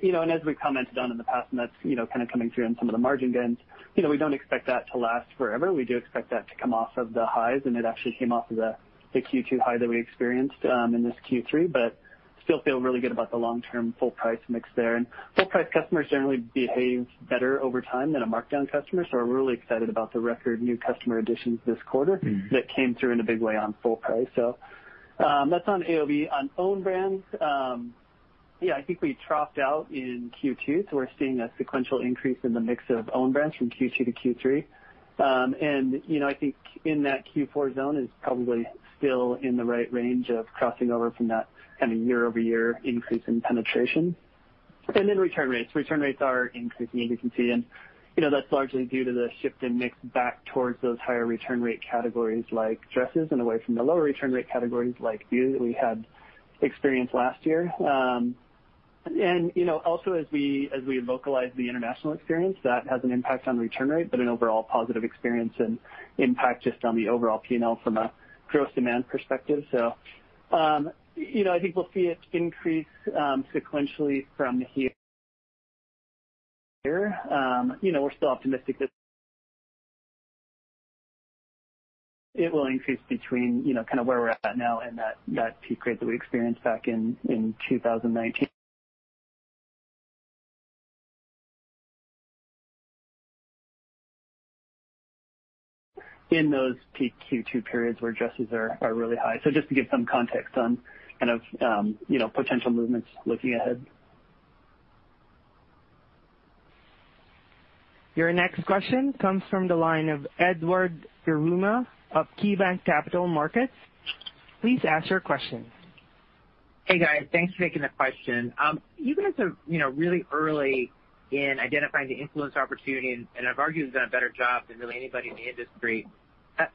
You know, as we've commented on in the past, and that's, you know, kind of coming through on some of the margin gains, you know, we don't expect that to last forever. We do expect that to come off of the highs, and it actually came off of the Q2 high that we experienced in this Q3, but still feel really good about the long-term full price mix there. Full price customers generally behave better over time than a markdown customer, so we're really excited about the record new customer additions this quarter that came through in a big way on full price. That's on AOV. On own brands, I think we troughed out in Q2, so we're seeing a sequential increase in the mix of own brands from Q2 to Q3. You know, I think in that Q4 zone is probably still in the right range of crossing over from that kind of year-over-year increase in penetration. Return rates are increasing as you can see. You know, that's largely due to the shift in mix back towards those higher return rate categories like dresses and away from the lower return rate categories like beauty that we had experienced last year. You know, also as we localize the international experience, that has an impact on return rate, but an overall positive experience and impact just on the overall P&L from a gross demand perspective. You know, I think we'll see it increase sequentially from here. You know, we're still optimistic that it will increase between, you know, kind of where we're at now and that peak rate that we experienced back in 2019. In those peak Q2 periods where dresses are really high. Just to give some context on kind of, you know, potential movements looking ahead. Your next question comes from the line of Edward Yruma of KeyBanc Capital Markets. Please ask your question. Hey, guys. Thanks for taking the question. You guys are, you know, really early in identifying the influencer opportunity, and I've argued it has done a better job than really anybody in the industry.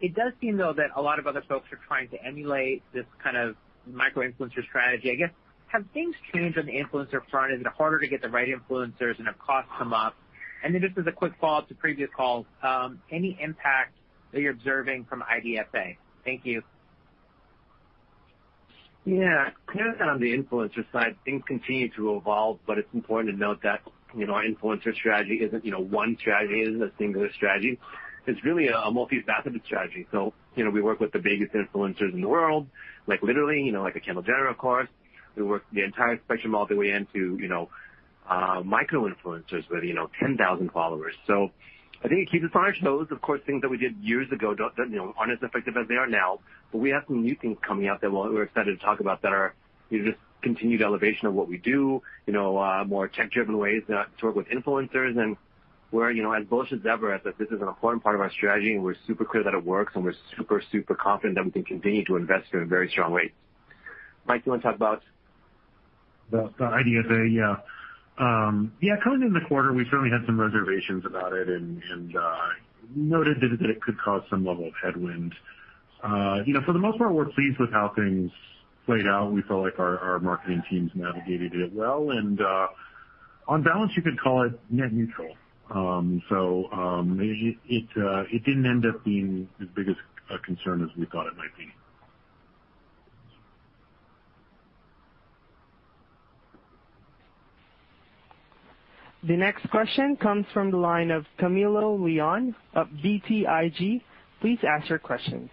It does seem, though, that a lot of other folks are trying to emulate this kind of micro-influencer strategy. I guess, have things changed on the influencer front? Is it harder to get the right influencers and have costs come up? And then just as a quick follow-up to previous calls, any impact that you're observing from IDFA? Thank you. Yeah. Clearly, on the influencer side, things continue to evolve, but it's important to note that, you know, our influencer strategy isn't, you know, one strategy. It isn't a singular strategy. It's really a multifaceted strategy. You know, we work with the biggest influencers in the world, like literally, you know, like a Kendall Jenner, of course. We work the entire spectrum all the way into, you know, micro-influencers with, you know, 10,000 followers. I think it keeps as far as those, of course, things that we did years ago don't, you know, aren't as effective as they are now. We have some new things coming out that we're excited to talk about that are, you know, just continued elevation of what we do, you know, more tech-driven ways to work with influencers. We're, you know, as bullish as ever that this is an important part of our strategy, and we're super clear that it works, and we're super confident that we can continue to invest in a very strong way. Mike, do you wanna talk about. The IDFA, yeah. Coming into the quarter, we certainly had some reservations about it and noted that it could cause some level of headwind. You know, for the most part, we're pleased with how things played out. We felt like our marketing teams navigated it well, and on balance, you could call it net neutral. It didn't end up being as big a concern as we thought it might be. The next question comes from the line of Camilo Lyon of BTIG. Please ask your question.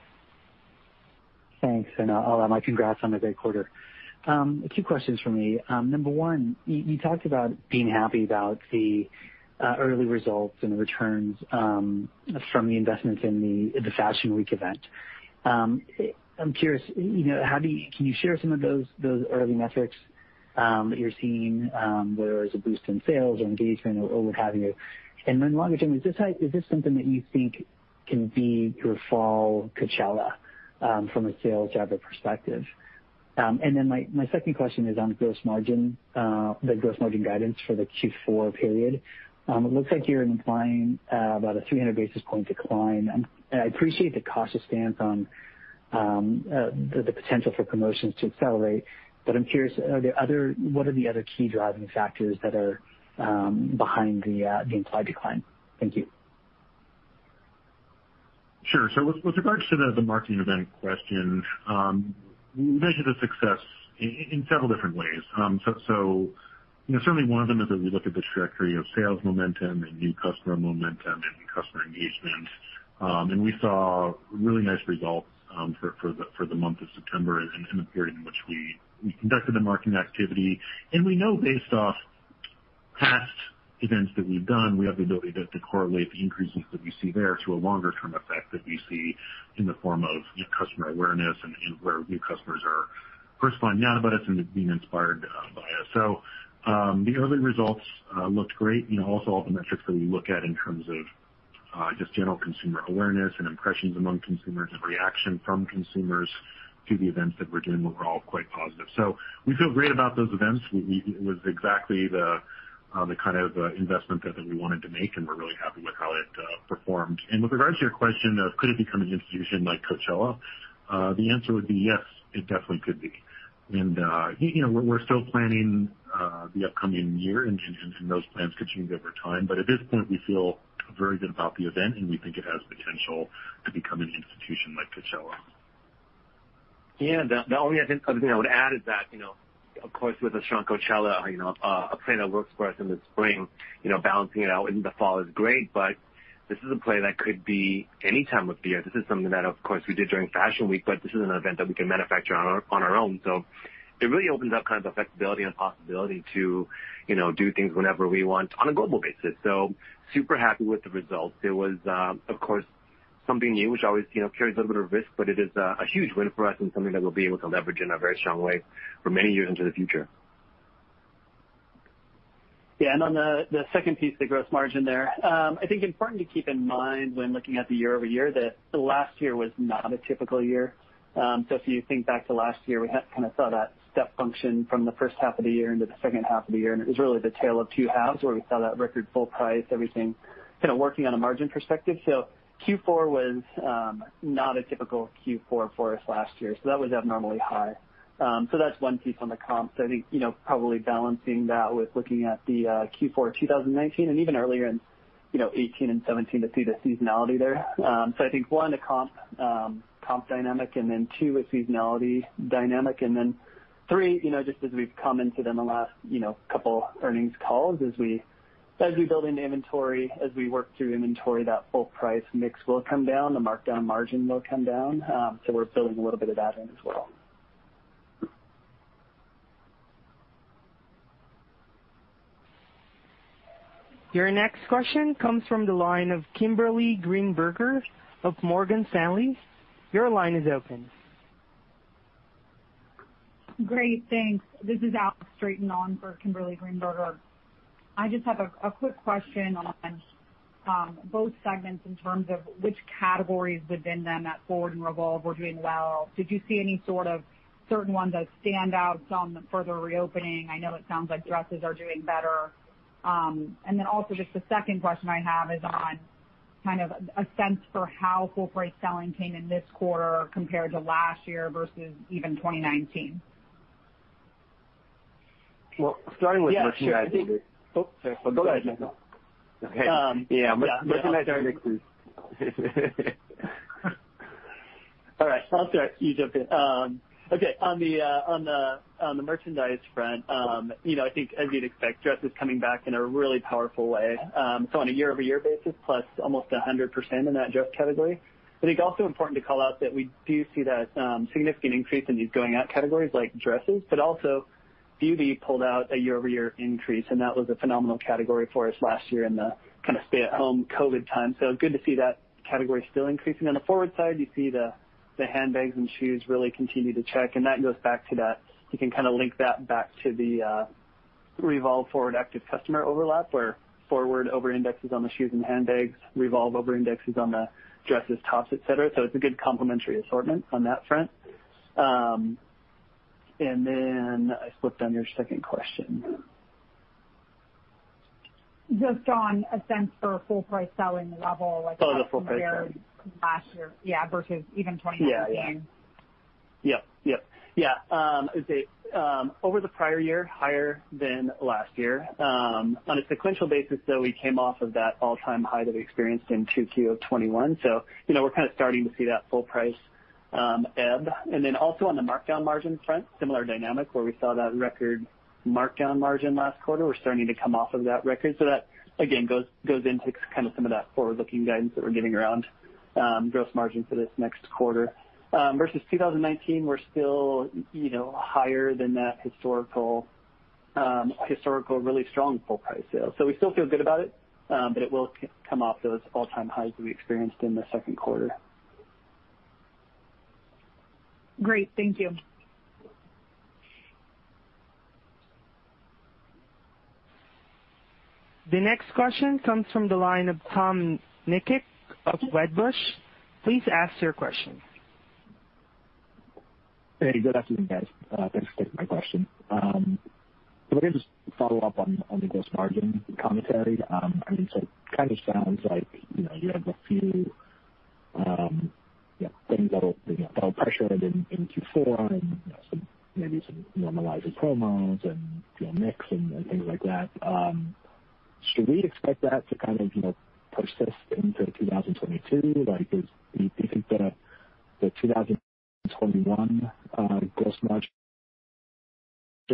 Thanks, and I'll add my congrats on a great quarter. A few questions from me. Number one, you talked about being happy about the early results and the returns from the investments in the Fashion Week event. I'm curious, you know, can you share some of those early metrics that you're seeing, whether it's a boost in sales or engagement or what have you? Longer term, is this something that you think can be your fall Coachella from a sales driver perspective? My second question is on gross margin, the gross margin guidance for the Q4 period. It looks like you're implying about a 300 basis point decline. I appreciate the cautious stance on the potential for promotions to accelerate. I'm curious, what are the other key driving factors that are behind the implied decline? Thank you. Sure. With regards to the marketing event question, we measure the success in several different ways. You know, certainly one of them is that we look at the trajectory of sales momentum and new customer momentum and customer engagement. We saw really nice results for the month of September and in the period in which we conducted the marketing activity. We know based off past events that we've done, we have the ability to correlate the increases that we see there to a longer term effect that we see in the form of, you know, customer awareness and where new customers are first finding out about us and being inspired by us. The early results looked great. You know, also all the metrics that we look at in terms of just general consumer awareness and impressions among consumers and reaction from consumers to the events that we're doing were all quite positive. We feel great about those events. It was exactly the kind of investment that we wanted to make, and we're really happy with how it performed. With regards to your question of could it become an institution like Coachella, the answer would be yes, it definitely could be. You know, we're still planning the upcoming year, and those plans could change over time. At this point, we feel very good about the event, and we think it has potential to become an institution like Coachella. Yeah. The only other thing I would add is that, you know, of course, with a strong Coachella, you know, a play that works for us in the spring, you know, balancing it out in the fall is great, but this is a play that could be any time of the year. This is something that, of course, we did during Fashion Week, but this is an event that we can manufacture on our own. It really opens up kind of the flexibility and possibility to, you know, do things whenever we want on a global basis. Super happy with the results. It was, of course, something new, which always, you know, carries a little bit of risk, but it is a huge win for us and something that we'll be able to leverage in a very strong way for many years into the future. On the second piece, the gross margin there, I think it's important to keep in mind when looking at the year-over-year that the last year was not a typical year. If you think back to last year, we kind of saw that step function from the first half of the year into the second half of the year, and it was really the tale of two halves where we saw that record full price, everything kind of working on a margin perspective. Q4 was not a typical Q4 for us last year, so that was abnormally high. That's one piece on the comps. I think you know probably balancing that with looking at the Q4 2019 and even earlier in you know 2018 and 2017 to see the seasonality there. I think, one, the comp dynamic, and then two, a seasonality dynamic. Three, you know, just as we've commented in the last, you know, couple earnings calls as we build into inventory, as we work through inventory, that full price mix will come down, the markdown margin will come down. We're building a little bit of that in as well. Your next question comes from the line of Kimberly Greenberger of Morgan Stanley. Your line is open. Great. Thanks. This is Alex Straton on for Kimberly Greenberger. I just have a quick question on both segments in terms of which categories within them at FWRD and Revolve were doing well. Did you see any sort of certain ones that stand out on further reopening? I know it sounds like dresses are doing better. Also just the second question I have is on kind of a sense for how full price selling came in this quarter compared to last year versus even 2019. Well, starting with merchandise. Oh, sorry. Go ahead, Michael. Okay. Yeah. Yeah. Merchandise. All right, I'll start. You jump in. Okay, on the merchandise front, you know, I think as you'd expect, dresses coming back in a really powerful way. On a year-over-year basis, plus almost 100% in that dress category. I think also important to call out that we do see that significant increase in these going out categories like dresses, but also beauty pulled out a year-over-year increase, and that was a phenomenal category for us last year in the kind of stay-at-home COVID-19 time. Good to see that category still increasing. On the FWRD side, you see the handbags and shoes really continue to click, and that goes back to that. You can kinda link that back to the Revolve/FWRD active customer overlap, where FWRD over-indexes on the shoes and handbags, Revolve over-indexes on the dresses, tops, et cetera. It's a good complementary assortment on that front. I slipped on your second question. Just on a sense for full price selling level, like. Oh, the full-price selling. ...compared to last year, yeah, versus even 2019. I'd say over the prior year, higher than last year. On a sequential basis, though, we came off of that all-time high that we experienced in 2Q of 2021. You know, we're kinda starting to see that full price ebb. Then also on the markdown margin front, similar dynamic where we saw that record markdown margin last quarter. We're starting to come off of that record. That again goes into kind of some of that forward-looking guidance that we're giving around gross margin for this next quarter. Versus 2019, we're still you know higher than that historical really strong full price sales. We still feel good about it, but it will come off those all-time highs we experienced in the second quarter. Great. Thank you. The next question comes from the line of Tom Nikic of Wedbush. Please ask your question. Hey, good afternoon, guys. Thanks for taking my question. Let me just follow up on the gross margin commentary. I mean, so it kind of sounds like, you know, you have a few yeah things that'll, you know, pressure it in Q4 and some maybe some normalizing promos and mix and things like that. Should we expect that to kind of, you know, persist into 2022? Like, do you think that the 2021 gross margin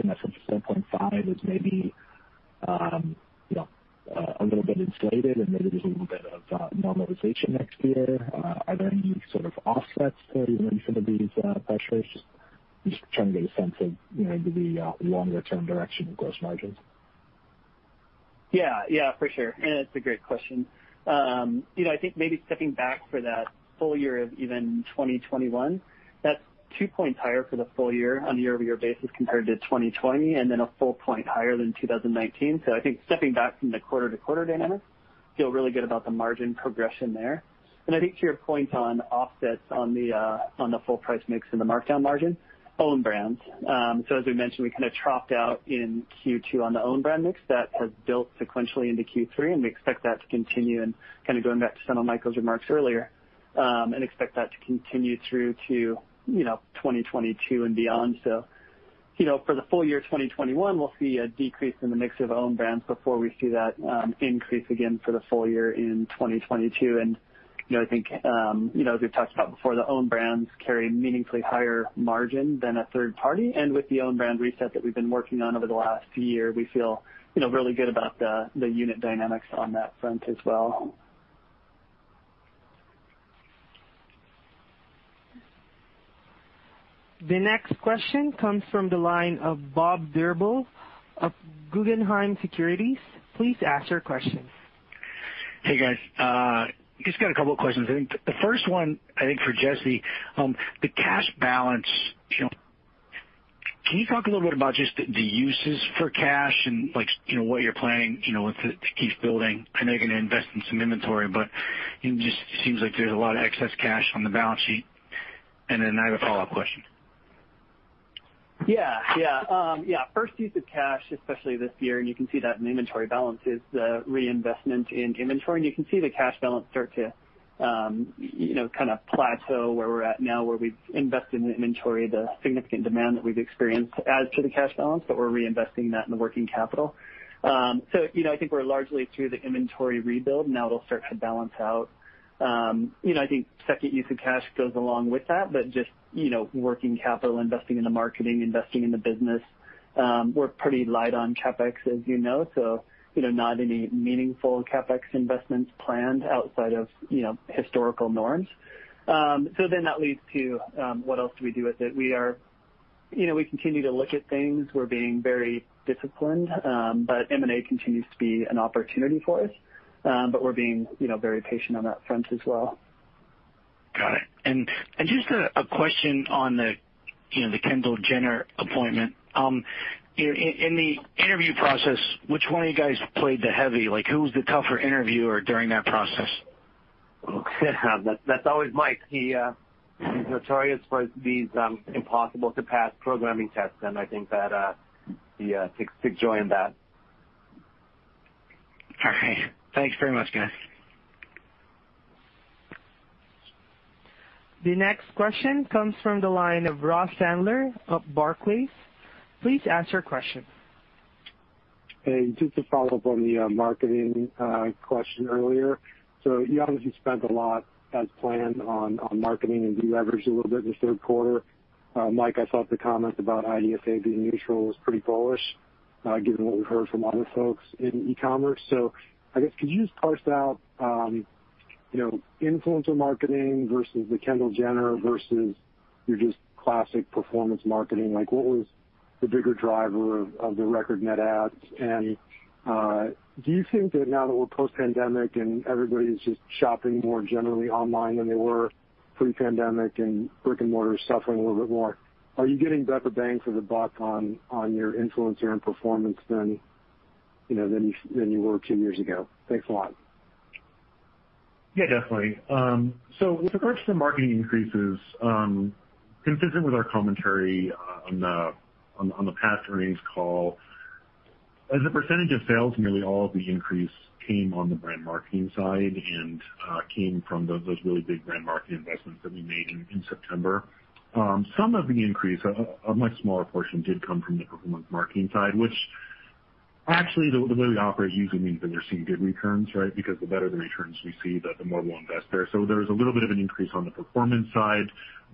that's at 7.5% is maybe, you know, a little bit inflated, and maybe there's a little bit of normalization next year? Are there any sort of offsets there in some of these pressures? Just trying to get a sense of, you know, the longer-term direction of gross margins. Yeah. Yeah, for sure. It's a great question. You know, I think maybe stepping back for that full year of even 2021, that's two points higher for the full year on a year-over-year basis compared to 2020, and then one point higher than 2019. I think stepping back from the quarter-to-quarter dynamics, feel really good about the margin progression there. I think to your point on offsets on the full price mix and the markdown margin, own brands. As we mentioned, we kind of dropped out in Q2 on the own brand mix. That has built sequentially into Q3, and we expect that to continue, and kind of going back to some of Michael's remarks earlier, and expect that to continue through to, you know, 2022 and beyond. For the full year 2021, we'll see a decrease in the mix of own brands before we see that increase again for the full year in 2022. You know, I think, you know, as we've talked about before, the own brands carry meaningfully higher margin than a third party. With the own brand reset that we've been working on over the last year, we feel, you know, really good about the unit dynamics on that front as well. The next question comes from the line of Bob Drbul of Guggenheim Securities. Please ask your question. Hey, guys. Just got a couple of questions. I think the first one for Jesse, the cash balance, you know, can you talk a little bit about just the uses for cash and, like, you know, what you're planning, you know, with the to keep building? I know you're gonna invest in some inventory, but it just seems like there's a lot of excess cash on the balance sheet. I have a follow-up question. First use of cash, especially this year, and you can see that in the inventory balance, is the reinvestment in inventory. You can see the cash balance start to kind of plateau where we're at now, where we've invested in the inventory, the significant demand that we've experienced adds to the cash balance, but we're reinvesting that in the working capital. I think we're largely through the inventory rebuild. Now it'll start to balance out. I think second use of cash goes along with that, working capital, investing in the marketing, investing in the business. We're pretty light on CapEx, not any meaningful CapEx investments planned outside of historical norms. That leads to what else do we do with it? You know, we continue to look at things. We're being very disciplined, but M&A continues to be an opportunity for us. We're being, you know, very patient on that front as well. Got it. Just a question on the, you know, the Kendall Jenner appointment. You know, in the interview process, which one of you guys played the heavy? Like who was the tougher interviewer during that process? That's always Mike. He's notorious for these impossible to pass programming tests, and I think that he takes joy in that. All right. Thanks very much, guys. The next question comes from the line of Ross Sandler of Barclays. Please ask your question. Hey, just to follow up on the marketing question earlier. You obviously spent a lot as planned on marketing and de-leveraged a little bit in the third quarter. Mike, I thought the comment about IDFA being neutral was pretty bullish, given what we've heard from other folks in e-commerce. I guess could you just parse out, you know, influencer marketing versus the Kendall Jenner versus your just classic performance marketing? Like, what was the bigger driver of the record net adds? Do you think that now that we're post-pandemic and everybody's just shopping more generally online than they were pre-pandemic and brick and mortar is suffering a little bit more, are you getting better bang for the buck on your influencer and performance than you were two years ago? Thanks a lot. Yeah, definitely. With regards to the marketing increases, consistent with our commentary on the past earnings call, as a percentage of sales, nearly all of the increase came on the brand marketing side and came from those really big brand marketing investments that we made in September. Some of the increase, a much smaller portion did come from the performance marketing side, which actually the way we operate usually means that we're seeing good returns, right? Because the better the returns we see, the more we'll invest there. There was a little bit of an increase on the performance side,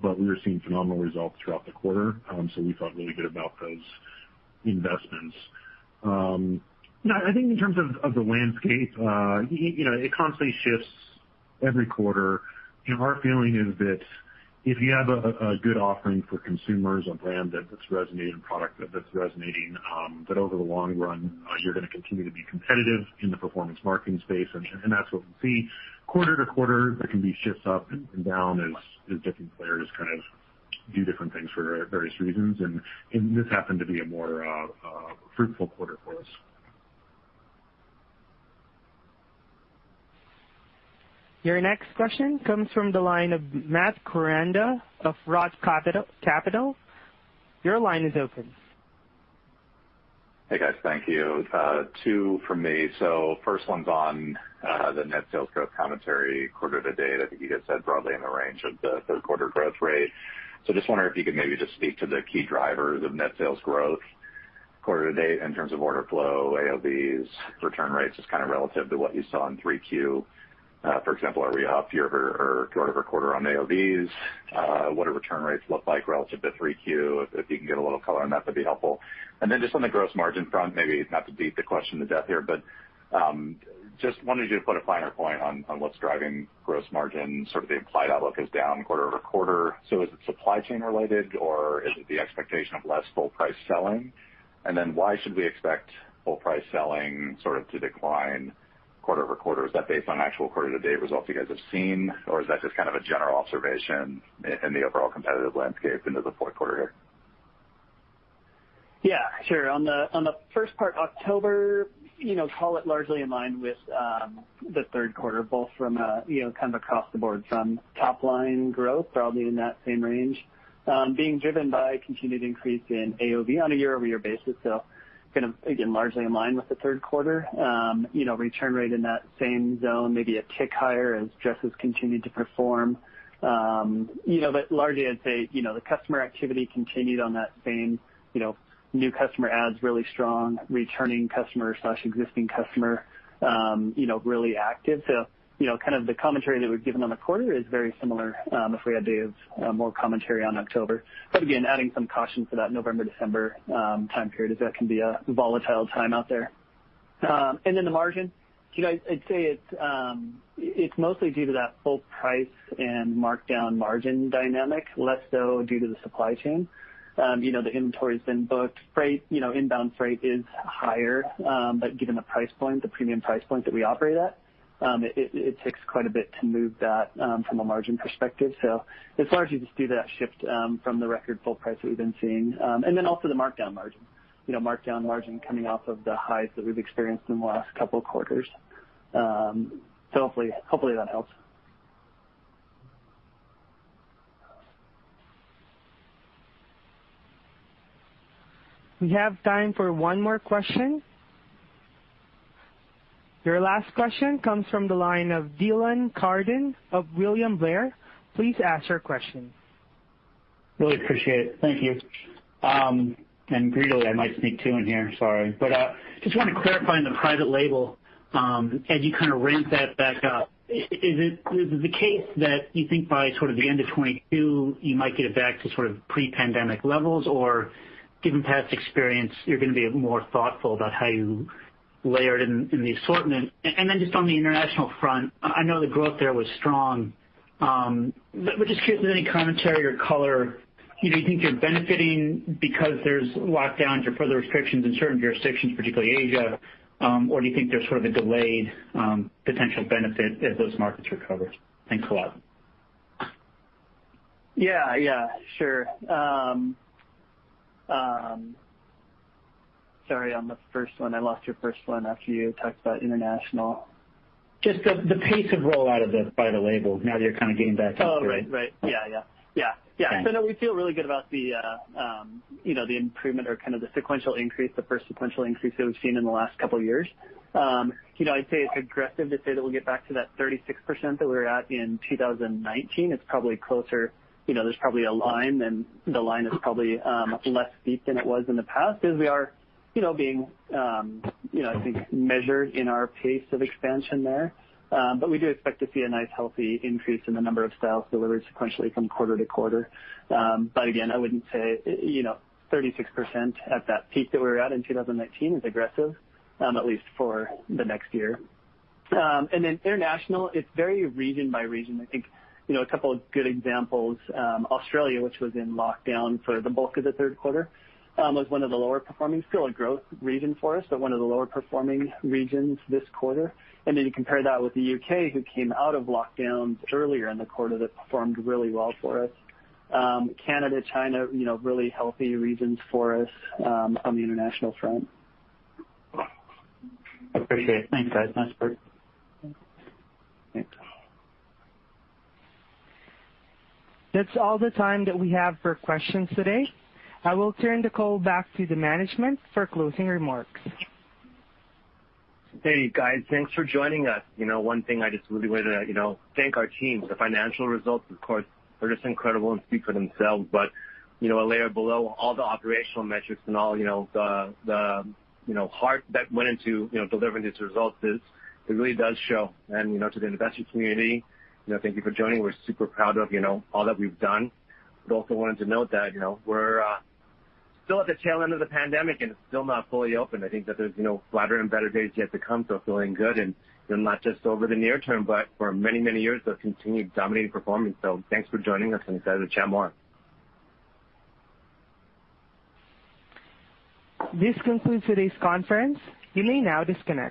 but we were seeing phenomenal results throughout the quarter. We felt really good about those investments. You know, I think in terms of the landscape, you know, it constantly shifts every quarter. You know, our feeling is that if you have a good offering for consumers, a brand that's resonating, a product that's resonating, that over the long run, you're gonna continue to be competitive in the performance marketing space, and that's what we see. Quarter to quarter, there can be shifts up and down as different players kind of do different things for various reasons. This happened to be a more fruitful quarter for us. Your next question comes from the line of Matt Koranda of Roth Capital. Your line is open. Hey, guys. Thank you. Two from me. First one's on the net sales growth commentary quarter to date. I think you just said broadly in the range of the third quarter growth rate. Just wondering if you could maybe just speak to the key drivers of net sales growth quarter to date in terms of order flow, AOVs, return rates, just kinda relative to what you saw in 3Q. For example, are we up year-over-year or quarter-over-quarter on AOVs? What do return rates look like relative to 3Q? If you can get a little color on that'd be helpful. Just on the gross margin front, maybe not to beat the question to death here, but just wanted you to put a finer point on what's driving gross margin. Sort of the implied outlook is down quarter-over-quarter. Is it supply chain related, or is it the expectation of less full price selling? Why should we expect full price selling sort of to decline quarter-over-quarter? Is that based on actual quarter-to-date results you guys have seen, or is that just kind of a general observation in the overall competitive landscape into the fourth quarter here? Yeah, sure. On the first part, October, you know, call it largely in line with the third quarter, both from a, you know, kind of across the board from top-line growth, probably in that same range, being driven by continued increase in AOV on a year-over-year basis. So kind of, again, largely in line with the third quarter. You know, return rate in that same zone, maybe a tick higher as dresses continued to perform. You know, but largely I'd say, you know, the customer activity continued on that same, you know, new customer adds really strong, returning customer/existing customer, you know, really active. So, you know, kind of the commentary that we've given on the quarter is very similar, if we had to give more commentary on October. Again, adding some caution for that November, December, time period, as that can be a volatile time out there. Then the margin. You know, I'd say it's mostly due to that full price and markdown margin dynamic, less so due to the supply chain. You know, the inventory's been booked. Freight, you know, inbound freight is higher, but given the price point, the premium price point that we operate at, it takes quite a bit to move that, from a margin perspective. It's largely just due to that shift, from the record full price that we've been seeing. Also the markdown margin. You know, markdown margin coming off of the highs that we've experienced in the last couple quarters. Hopefully that helps. We have time for one more question. Your last question comes from the line of Dylan Carden of William Blair. Please ask your question. I really appreciate it. Thank you. [inaudible] I might sneak two in here. Sorry. Just wanna clarify on the private label. As you kinda ramp that back up, is it the case that you think by sort of the end of 2022 you might get it back to sort of pre-pandemic levels? Or given past experience, you're gonna be more thoughtful about how you layer it in the assortment? Then just on the international front, I know the growth there was strong. Just curious if there's any commentary or color Do you think you're benefiting because there's lockdowns or further restrictions in certain jurisdictions, particularly Asia, or do you think there's sort of a delayed, potential benefit if those markets recover? Thanks a lot. Yeah, yeah, sure. Sorry, on the first one, I lost your first one after you talked about international. Just the pace of rollout by the label now that you're kind of getting back out there. Oh, right. Yeah. Okay. No, we feel really good about the improvement or kind of the sequential increase, the first sequential increase that we've seen in the last couple of years. I'd say it's aggressive to say that we'll get back to that 36% that we were at in 2019. It's probably closer. There's probably a line, and the line is probably less steep than it was in the past because we are, you know, being, you know, I think measured in our pace of expansion there. We do expect to see a nice, healthy increase in the number of styles delivered sequentially from quarter to quarter. Again, I wouldn't say, you know, 36% at that peak that we were at in 2019 is aggressive, at least for the next year. Then international, it's very region by region. I think, you know, a couple of good examples, Australia, which was in lockdown for the bulk of the third quarter, was one of the lower performing, still a growth region for us, but one of the lower performing regions this quarter. Then you compare that with the U.K., who came out of lockdowns earlier in the quarter that performed really well for us. Canada, China, you know, really healthy regions for us, on the international front. Appreciate it. Thanks, guys. Nice work. Thanks. That's all the time that we have for questions today. I will turn the call back to the management for closing remarks. Hey, guys, thanks for joining us. You know, one thing I just really wanted to, you know, thank our team. The financial results, of course, are just incredible and speak for themselves. You know, a layer below all the operational metrics and all, you know, the, you know, heart that went into, you know, delivering these results is, it really does show. You know, to the investment community, you know, thank you for joining. We're super proud of, you know, all that we've done. Also wanted to note that, you know, we're still at the tail end of the pandemic and still not fully open. I think that there's, you know, fatter and better days yet to come, so feeling good. Then not just over the near term, but for many, many years of continued dominating performance. Thanks for joining us, and excited to chat more. This concludes today's conference. You may now disconnect.